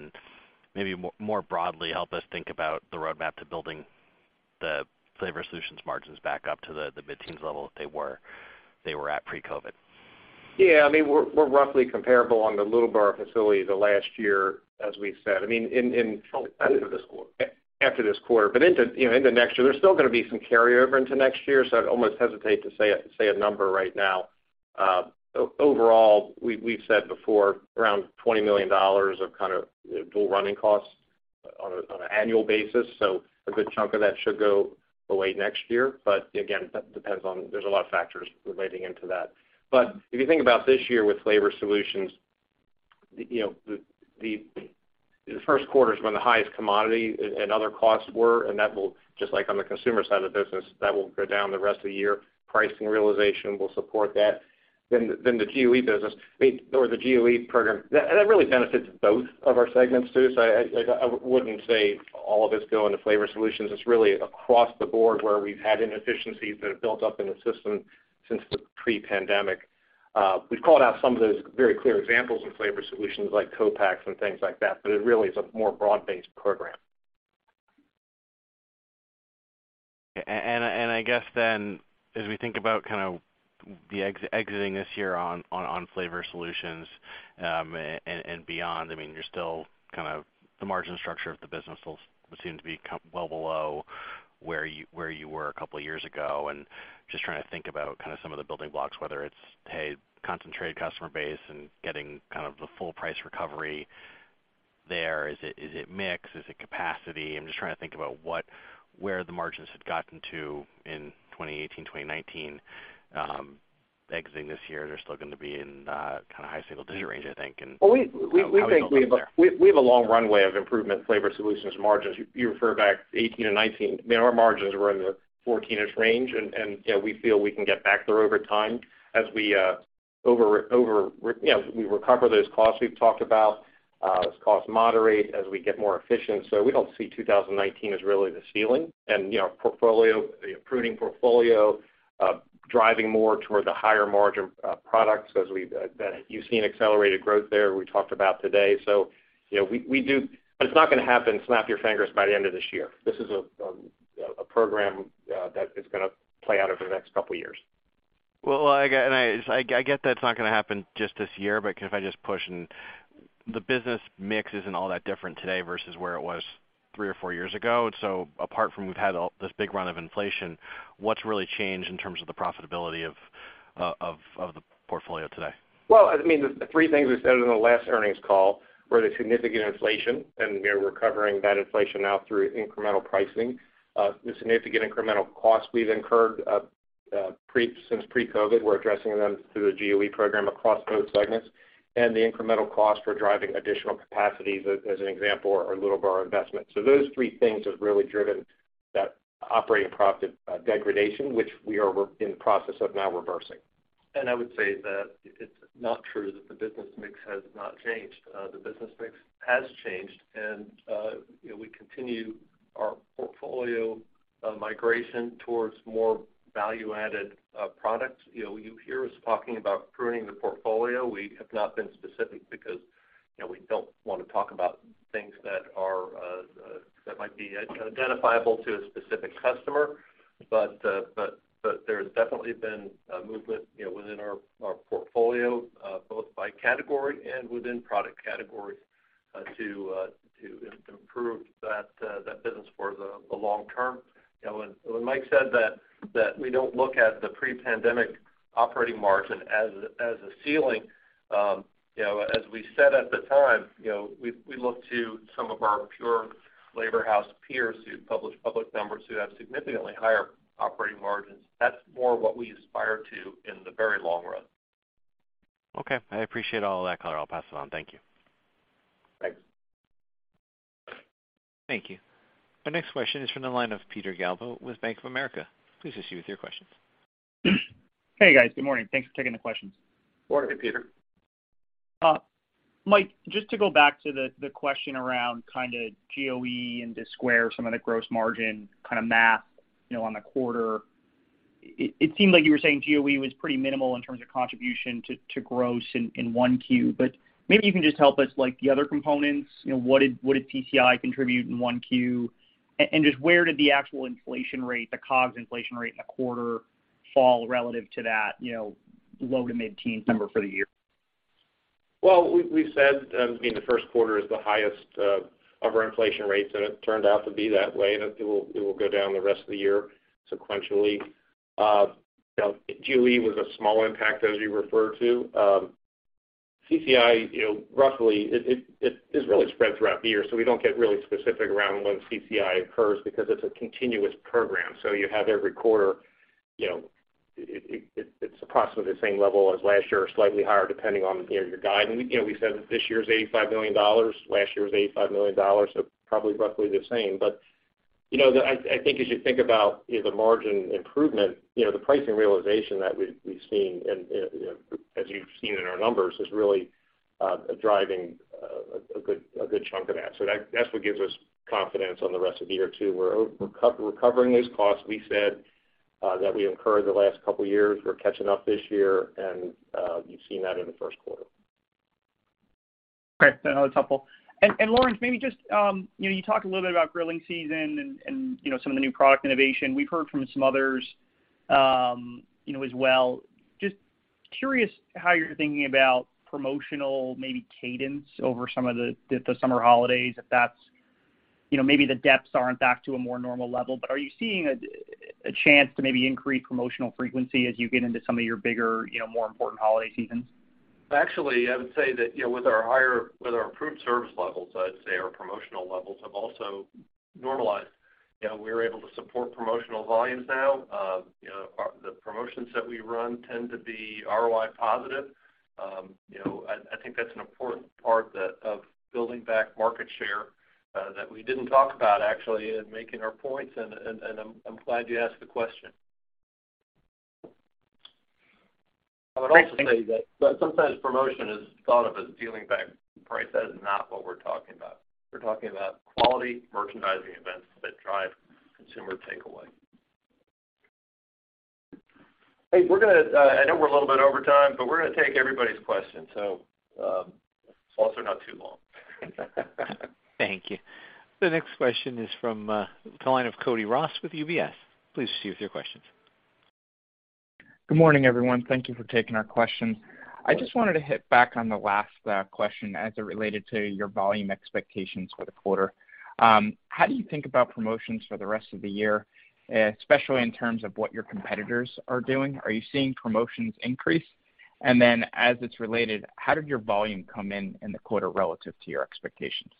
Maybe more broadly, help us think about the roadmap to building the Flavor Solutions margins back up to the mid-teens level that they were at pre-COVID. Yeah. I mean, we're roughly comparable on the Littleborough facility the last year, as we said. I mean, After this quarter. After this quarter, into, you know, into next year. There's still gonna be some carryover into next year, so I'd almost hesitate to say a number right now. Overall, we've said before around $20 million of kind of dual running costs on an annual basis. A good chunk of that should go away next year. Again, that depends on there's a lot of factors relating into that. If you think about this year with Flavor Solutions, you know, the first quarter is when the highest commodity and other costs were, and that will, just like on the Consumer side of the business, that will go down the rest of the year. Pricing realization will support that. Then the GOE business, I mean, or the GOE program, that, and that really benefits both of our segments, too. I, like, I wouldn't say all of it's going to Flavor Solutions. It's really across the board where we've had inefficiencies that have built up in the system since the pre-pandemic. We've called out some of those very clear examples in Flavor Solutions like co-packs and things like that, it really is a more broad-based program. I guess then, as we think about kind of the exiting this year on Flavor Solutions, beyond, I mean, you're still kind of the margin structure of the business still seems to be well below where you were a couple of years ago. Just trying to think about kind of some of the building blocks, whether it's, hey, concentrated customer base and getting kind of the full price recovery there. Is it mix? Is it capacity? I'm just trying to think about where the margins had gotten to in 2018, 2019, exiting this year, they're still gonna be in kind of high single-digit range, I think, and how we think about there. We think we have a long runway of improvement in Flavor Solutions margins. You refer back to 2018 and 2019, I mean, our margins were in the 14%-ish range, and, you know, we feel we can get back there over time as we, you know, we recover those costs we've talked about, as costs moderate, as we get more efficient. We don't see 2019 as really the ceiling. You know, portfolio, the pruning portfolio, driving more toward the higher margin products that you've seen accelerated growth there we talked about today. You know, it's not gonna happen, snap your fingers, by the end of this year. This is a, you know, a program that is gonna play out over the next couple of years. Well, I get that it's not gonna happen just this year, but can if I just push and the business mix isn't all that different today versus where it was three or four years ago. Apart from we've had all this big run of inflation, what's really changed in terms of the profitability of the portfolio today? Well, I mean, the three things we said in the last earnings call were the significant inflation, and we're recovering that inflation now through incremental pricing. The significant incremental costs we've incurred since pre-COVID, we're addressing them through the GOE program across both segments, and the incremental cost for driving additional capacities as an example, our Littleborough investment. Those three things have really driven That operating profit, degradation, which we are in the process of now reversing. I would say that it's not true that the business mix has not changed. The business mix has changed and, you know, we continue our portfolio migration towards more value-added products. You know, you hear us talking about pruning the portfolio. We have not been specific because, you know, we don't wanna talk about things that are that might be identifiable to a specific customer. There's definitely been a movement, you know, within our portfolio both by category and within product categories to improve that business for the long term. You know, when Mike said that we don't look at the pre-pandemic operating margin as a ceiling, you know, as we said at the time, you know, we look to some of our pure labor house peers who publish public numbers who have significantly higher operating margins. That's more what we aspire to in the very long run. Okay. I appreciate all of that color. I'll pass it on. Thank you. Thanks. Thank you. Our next question is from the line of Peter Galbo with Bank of America. Please assist you with your question. Hey, guys. Good morning. Thanks for taking the questions. Morning, Peter. Mike, just to go back to the question around kinda GOE and just square some of the gross margin kinda math, you know, on the quarter. It seemed like you were saying GOE was pretty minimal in terms of contribution to gross in 1 Q. Maybe you can just help us, like, the other components, you know, what did CCI contribute in 1 Q? Just where did the actual inflation rate, the COGS inflation rate in the quarter fall relative to that, you know, low to mid-teen number for the year? Well, we said, you know, the first quarter is the highest of our inflation rates, and it turned out to be that way, and it will go down the rest of the year sequentially. You know, GOE was a small impact as you refer to. CCI, you know, roughly it is really spread throughout the year, so we don't get really specific around when CCI occurs because it's a continuous program. You have every quarter, you know, it's approximately the same level as last year or slightly higher, depending on, you know, your guide. We said, you know, that this year's $85 million, last year was $85 million, probably roughly the same. You know, I think as you think about, you know, the margin improvement, you know, the pricing realization that we've seen and, you know, as you've seen in our numbers, is really driving a good chunk of that. That's what gives us confidence on the rest of the year, too. We're recovering these costs we said that we incurred the last couple years. We're catching up this year, and you've seen that in the first quarter. Great. That's helpful. Lawrence, maybe just, you know, you talked a little bit about grilling season and, you know, some of the new product innovation. We've heard from some others, you know, as well. Just curious how you're thinking about promotional, maybe cadence over some of the summer holidays, if that's, you know, maybe the depths aren't back to a more normal level. Are you seeing a chance to maybe increase promotional frequency as you get into some of your bigger, you know, more important holiday seasons? Actually, I would say that, you know, with our improved service levels, I'd say our promotional levels have also normalized. You know, we're able to support promotional volumes now. You know, the promotions that we run tend to be ROI positive. You know, I think that's an important part that, of building back market share, that we didn't talk about actually in making our points, and I'm glad you asked the question. Great. Thank you. I would also say that sometimes promotion is thought of as dealing back price. That is not what we're talking about. We're talking about quality merchandising events that drive consumer takeaway. Hey, we're gonna, I know we're a little bit over time, but we're gonna take everybody's question. As long as they're not too long. Thank you. The next question is from the line of Cody Ross with UBS. Please proceed with your questions. Good morning, everyone. Thank you for taking our questions. I just wanted to hit back on the last question as it related to your volume expectations for the quarter. How do you think about promotions for the rest of the year, especially in terms of what your competitors are doing? Are you seeing promotions increase? As it's related, how did your volume come in in the quarter relative to your expectations?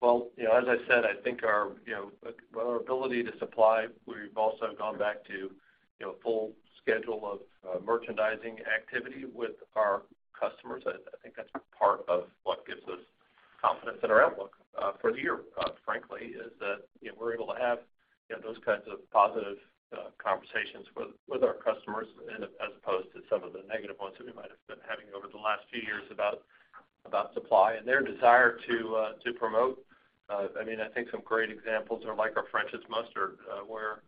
Well, you know, as I said, I think our, you know, well, our ability to supply, we've also gone back to, you know, full schedule of merchandising activity with our customers. I think that's part of what gives us confidence in our outlook for the year, frankly, is that, you know, we're able to have, you know, those kinds of positive conversations with our customers and as opposed to some of the negative ones that we might have been having over the last few years about supply and their desire to promote. I mean, I think some great examples are like our French's Mustard, where,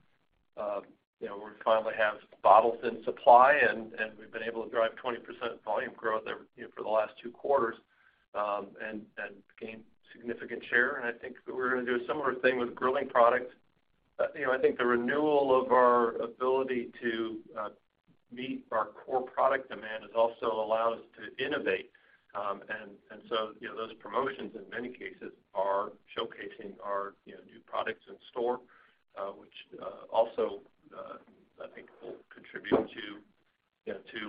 you know, we finally have bottles in supply and we've been able to drive 20% volume growth there, you know, for the last 2 quarters and gain significant share. I think we're going to do a similar thing with grilling products. You know, I think the renewal of our ability to meet our core product demand has also allowed us to innovate. And so, you know, those promotions in many cases are showcasing our, you know, new products in store, which also, I think will contribute to, you know, to,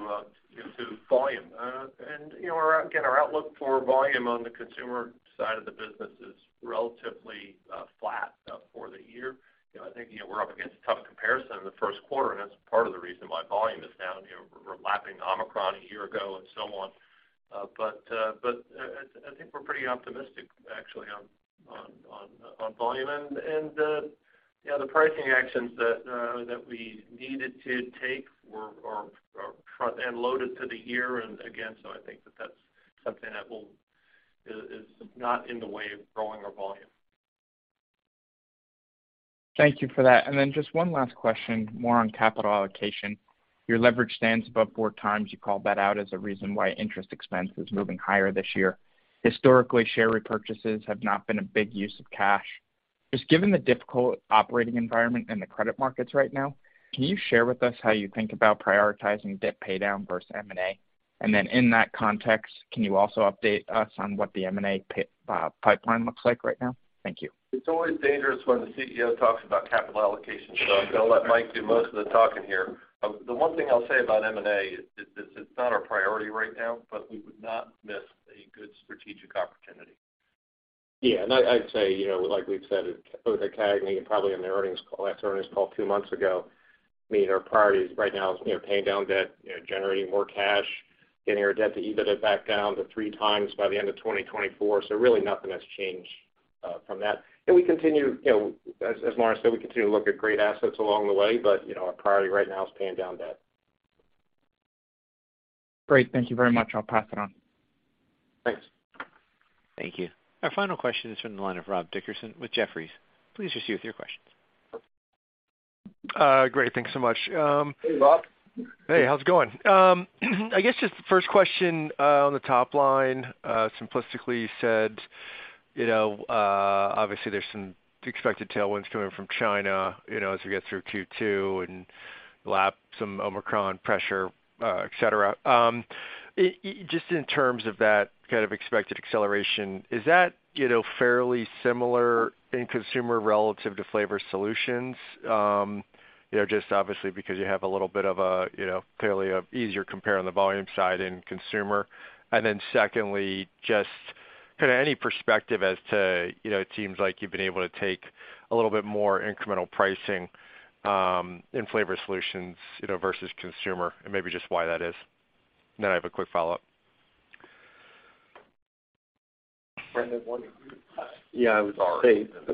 you know, to volume. And, you know, again, our outlook for volume on the Consumer side of the business is relatively flat for the year. You know, I think, you know, we're up against a tough comparison in the first quarter, and that's part of the reason why volume is down. You know, we're lapping Omicron a year ago and so on. But I think we're pretty optimistic actually on volume. You know, the pricing actions that we needed to take are front-end loaded to the year. Again, I think that that's something that is not in the way of growing our volume. Thank you for that. Just one last question, more on capital allocation. Your leverage stands above four times. You called that out as a reason why interest expense is moving higher this year. Historically, share repurchases have not been a big use of cash. Just given the difficult operating environment in the credit markets right now, can you share with us how you think about prioritizing debt paydown versus M&A? In that context, can you also update us on what the M&A pipeline looks like right now? Thank you. It's always dangerous when the CEO talks about capital allocation, so I'm gonna let Mike do most of the talking here. The one thing I'll say about M&A is it's not our priority right now, but we would not miss a good strategic opportunity. Yeah. I'd say, you know, like we've said at, both at CAGNY and probably in the earnings call, last earnings call 2 months ago, I mean, our priorities right now is, you know, paying down debt, you know, generating more cash, getting our debt to EBITDA back down to 3x by the end of 2024. Really nothing has changed from that. We continue, you know, as Lawrence said, we continue to look at great assets along the way, but, you know, our priority right now is paying down debt. Great. Thank you very much. I'll pass it on. Thanks. Thank you. Our final question is from the line of Rob Dickerson with Jefferies. Please proceed with your questions. great. Thanks so much. Hey, Rob. Hey, how's it going? I guess just the first question on the top line, simplistically said, obviously there's some expected tailwinds coming from China as we get through Q2 and lap some Omicron pressure, et cetera. Just in terms of that kind of expected acceleration, is that fairly similar in Consumer relative to Flavor Solutions? Just obviously because you have a little bit of a clearly easier compare on the volume side in Consumer. Secondly, just kind of any perspective as to it seems like you've been able to take a little bit more incremental pricing in Flavor Solutions versus Consumer and maybe just why that is. I have a quick follow-up. Yeah, I would say,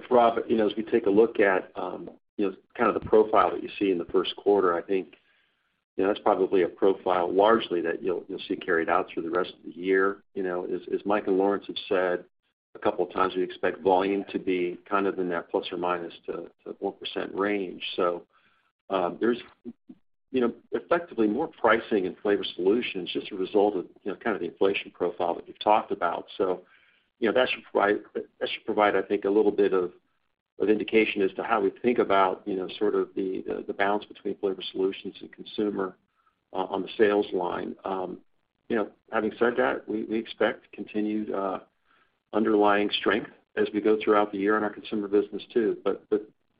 Rob, you know, as we take a look at, you know, kind of the profile that you see in the first quarter, I think, you know, that's probably a profile largely that you'll see carried out through the rest of the year. You know, as Mike and Lawrence have said a couple of times, we expect volume to be kind of in that plus or minus to 1% range. There's, you know, effectively more pricing in Flavor Solutions just a result of, you know, kind of the inflation profile that we've talked about. That should provide I think, a little bit of indication as to how we think about, you know, sort of the balance between Flavor Solutions and Consumer on the sales line. you know, having said that, we expect continued underlying strength as we go throughout the year in our Consumer business too.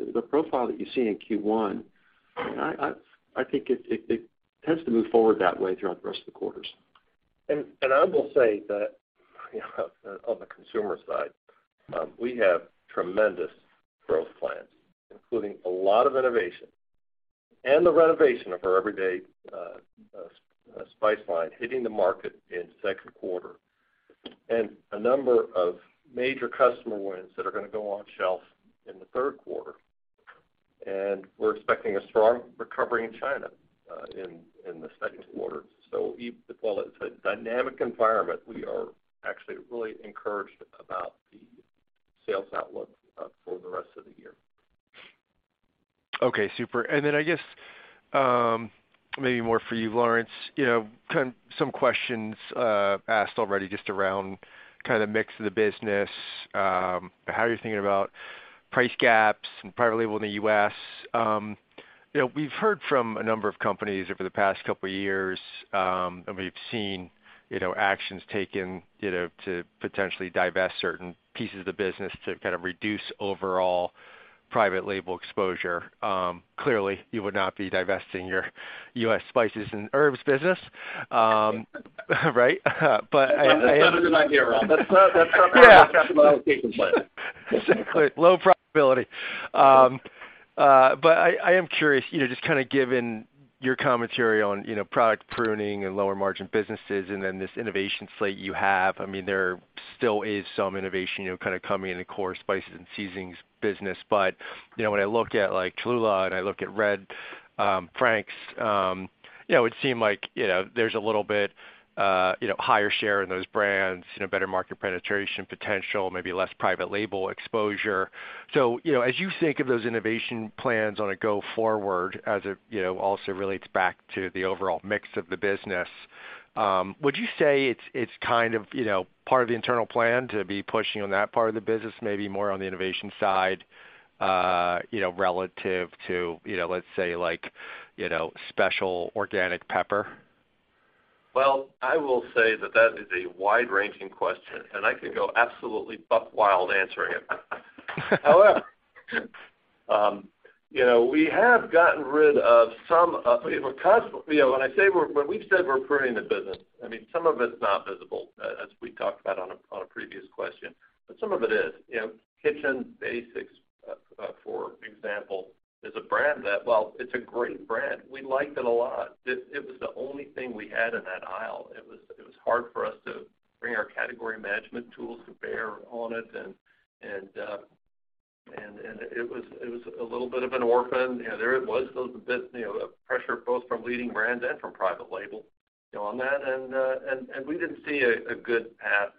The profile that you see in Q1, I think it tends to move forward that way throughout the rest of the quarters. I will say that, you know, on the Consumer side, we have tremendous growth plans, including a lot of innovation and the renovation of our everyday spice line hitting the market in second quarter, and a number of major customer wins that are gonna go on shelf in the third quarter. We're expecting a strong recovery in China in the second quarter. While it's a dynamic environment, we are actually really encouraged about the sales outlook for the rest of the year. Okay, super. Then I guess, maybe more for you, Lawrence, you know, some questions asked already just around kinda mix of the business, how you're thinking about price gaps and private label in the U.S. You know, we've heard from a number of companies over the past couple of years, and we've seen, you know, actions taken, you know, to potentially divest certain pieces of the business to kind of reduce overall private label exposure. Clearly, you would not be divesting your U.S. spices and herbs business. Right? I That's not a good idea, Rob. That's not part of our capital allocation plan. Exactly. Low profitability. I am curious, you know, just kinda given your commentary on, you know, product pruning and lower margin businesses and then this innovation slate you have, I mean, there still is some innovation, you know, kinda coming in the core spices and seasonings business. When I look at, like, Cholula and I look at Frank's, you know, it would seem like, you know, there's a little bit, you know, higher share in those brands, you know, better market penetration potential, maybe less private label exposure. You know, as you think of those innovation plans on a go forward as it, you know, also relates back to the overall mix of the business, would you say it's kind of, you know, part of the internal plan to be pushing on that part of the business, maybe more on the innovation side, you know, relative to, you know, let's say like, you know, special organic pepper? I will say that that is a wide-ranging question, and I could go absolutely buck wild answering it. You know, we have gotten rid of some, you know, because, you know, when we've said we're pruning the business, I mean, some of it's not visible as we talked about on a, on a previous question, but some of it is. You know, Kitchen Basics, for example, is a brand that while it's a great brand, we liked it a lot. It was the only thing we had in that aisle. It was hard for us to bring our category management tools to bear on it, and, and it was a little bit of an orphan. You know, there it was. There was a bit, you know, of pressure, both from leading brands and from private label, you know, on that. We didn't see a good path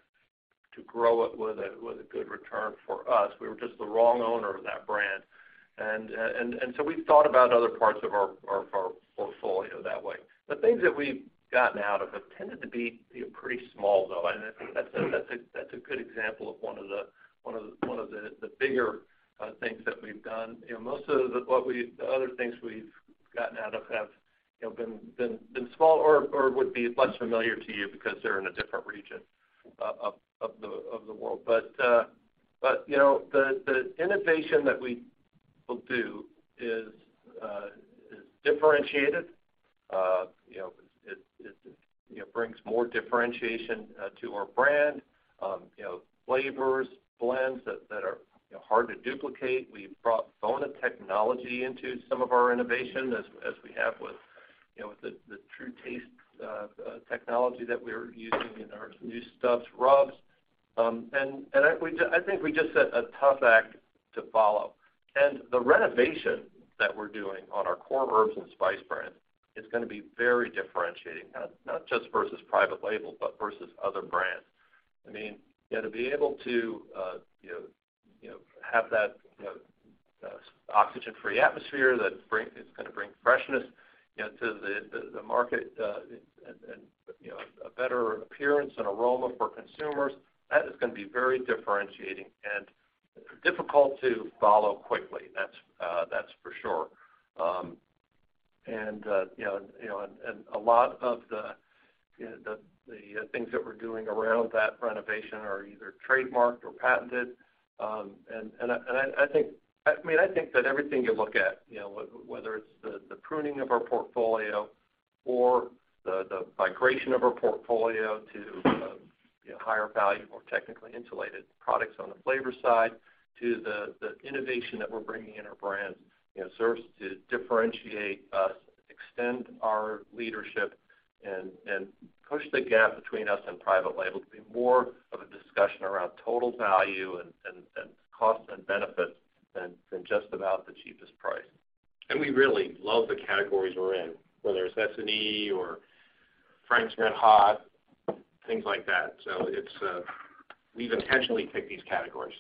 to grow it with a good return for us. We were just the wrong owner of that brand. So we thought about other parts of our portfolio that way. The things that we've gotten out of have tended to be, you know, pretty small, though. That's a good example of one of the bigger things that we've done. You know, most of the other things we've gotten out of have, you know, been small or would be less familiar to you because they're in a different region of the world. You know, the innovation that we will do is differentiated. You know, it, you know, brings more differentiation to our brand. You know, flavors, blends that are, you know, hard to duplicate. We've brought FONA technology into some of our innovation as we have with, you know, with the True Taste technology that we're using in our new Stubb's rubs. I think we just set a tough act to follow. The renovation that we're doing on our core herbs and spice brands is gonna be very differentiating, not just versus private label, but versus other brands. I mean, you know, to be able to, you know, you know, have that, you know, oxygen-free atmosphere that it's gonna bring freshness, you know, to the market, and, you know, a better appearance and aroma for consumers, that is gonna be very differentiating and difficult to follow quickly. That's for sure. A lot of the, you know, the things that we're doing around that renovation are either trademarked or patented. I think... I mean, I think that everything you look at, you know, whether it's the pruning of our portfolio or the migration of our portfolio to, you know, higher value, more technically insulated products on the flavor side to the innovation that we're bringing in our brands, you know, serves to differentiate us, extend our leadership and push the gap between us and private label to be more of a discussion around total value and cost and benefit than just about the cheapest price. We really love the categories we're in, whether it's S&E or Frank's RedHot, things like that. It's, we've intentionally picked these categories.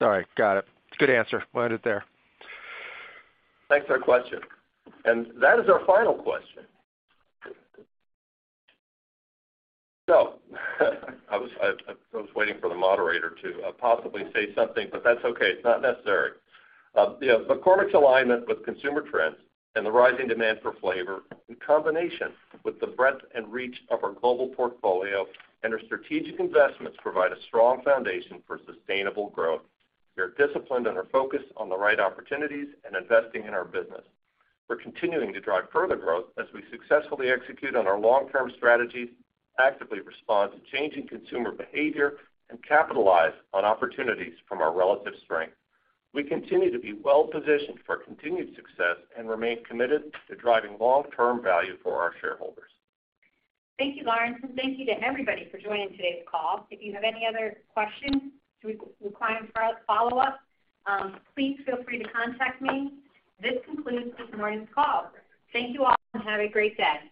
All right. Got it. Good answer. We'll end it there. Thanks for the question. That is our final question. I was waiting for the moderator to possibly say something, but that's okay. It's not necessary. You know, McCormick's alignment with consumer trends and the rising demand for flavor, in combination with the breadth and reach of our global portfolio and our strategic investments, provide a strong foundation for sustainable growth. We are disciplined and are focused on the right opportunities and investing in our business. We're continuing to drive further growth as we successfully execute on our long-term strategies, actively respond to changing consumer behavior, and capitalize on opportunities from our relative strength. We continue to be well positioned for continued success and remain committed to driving long-term value for our shareholders. Thank you, Lawrence, thank you to everybody for joining today's call. If you have any other questions that require follow-up, please feel free to contact me. This concludes this morning's call. Thank you all, have a great day.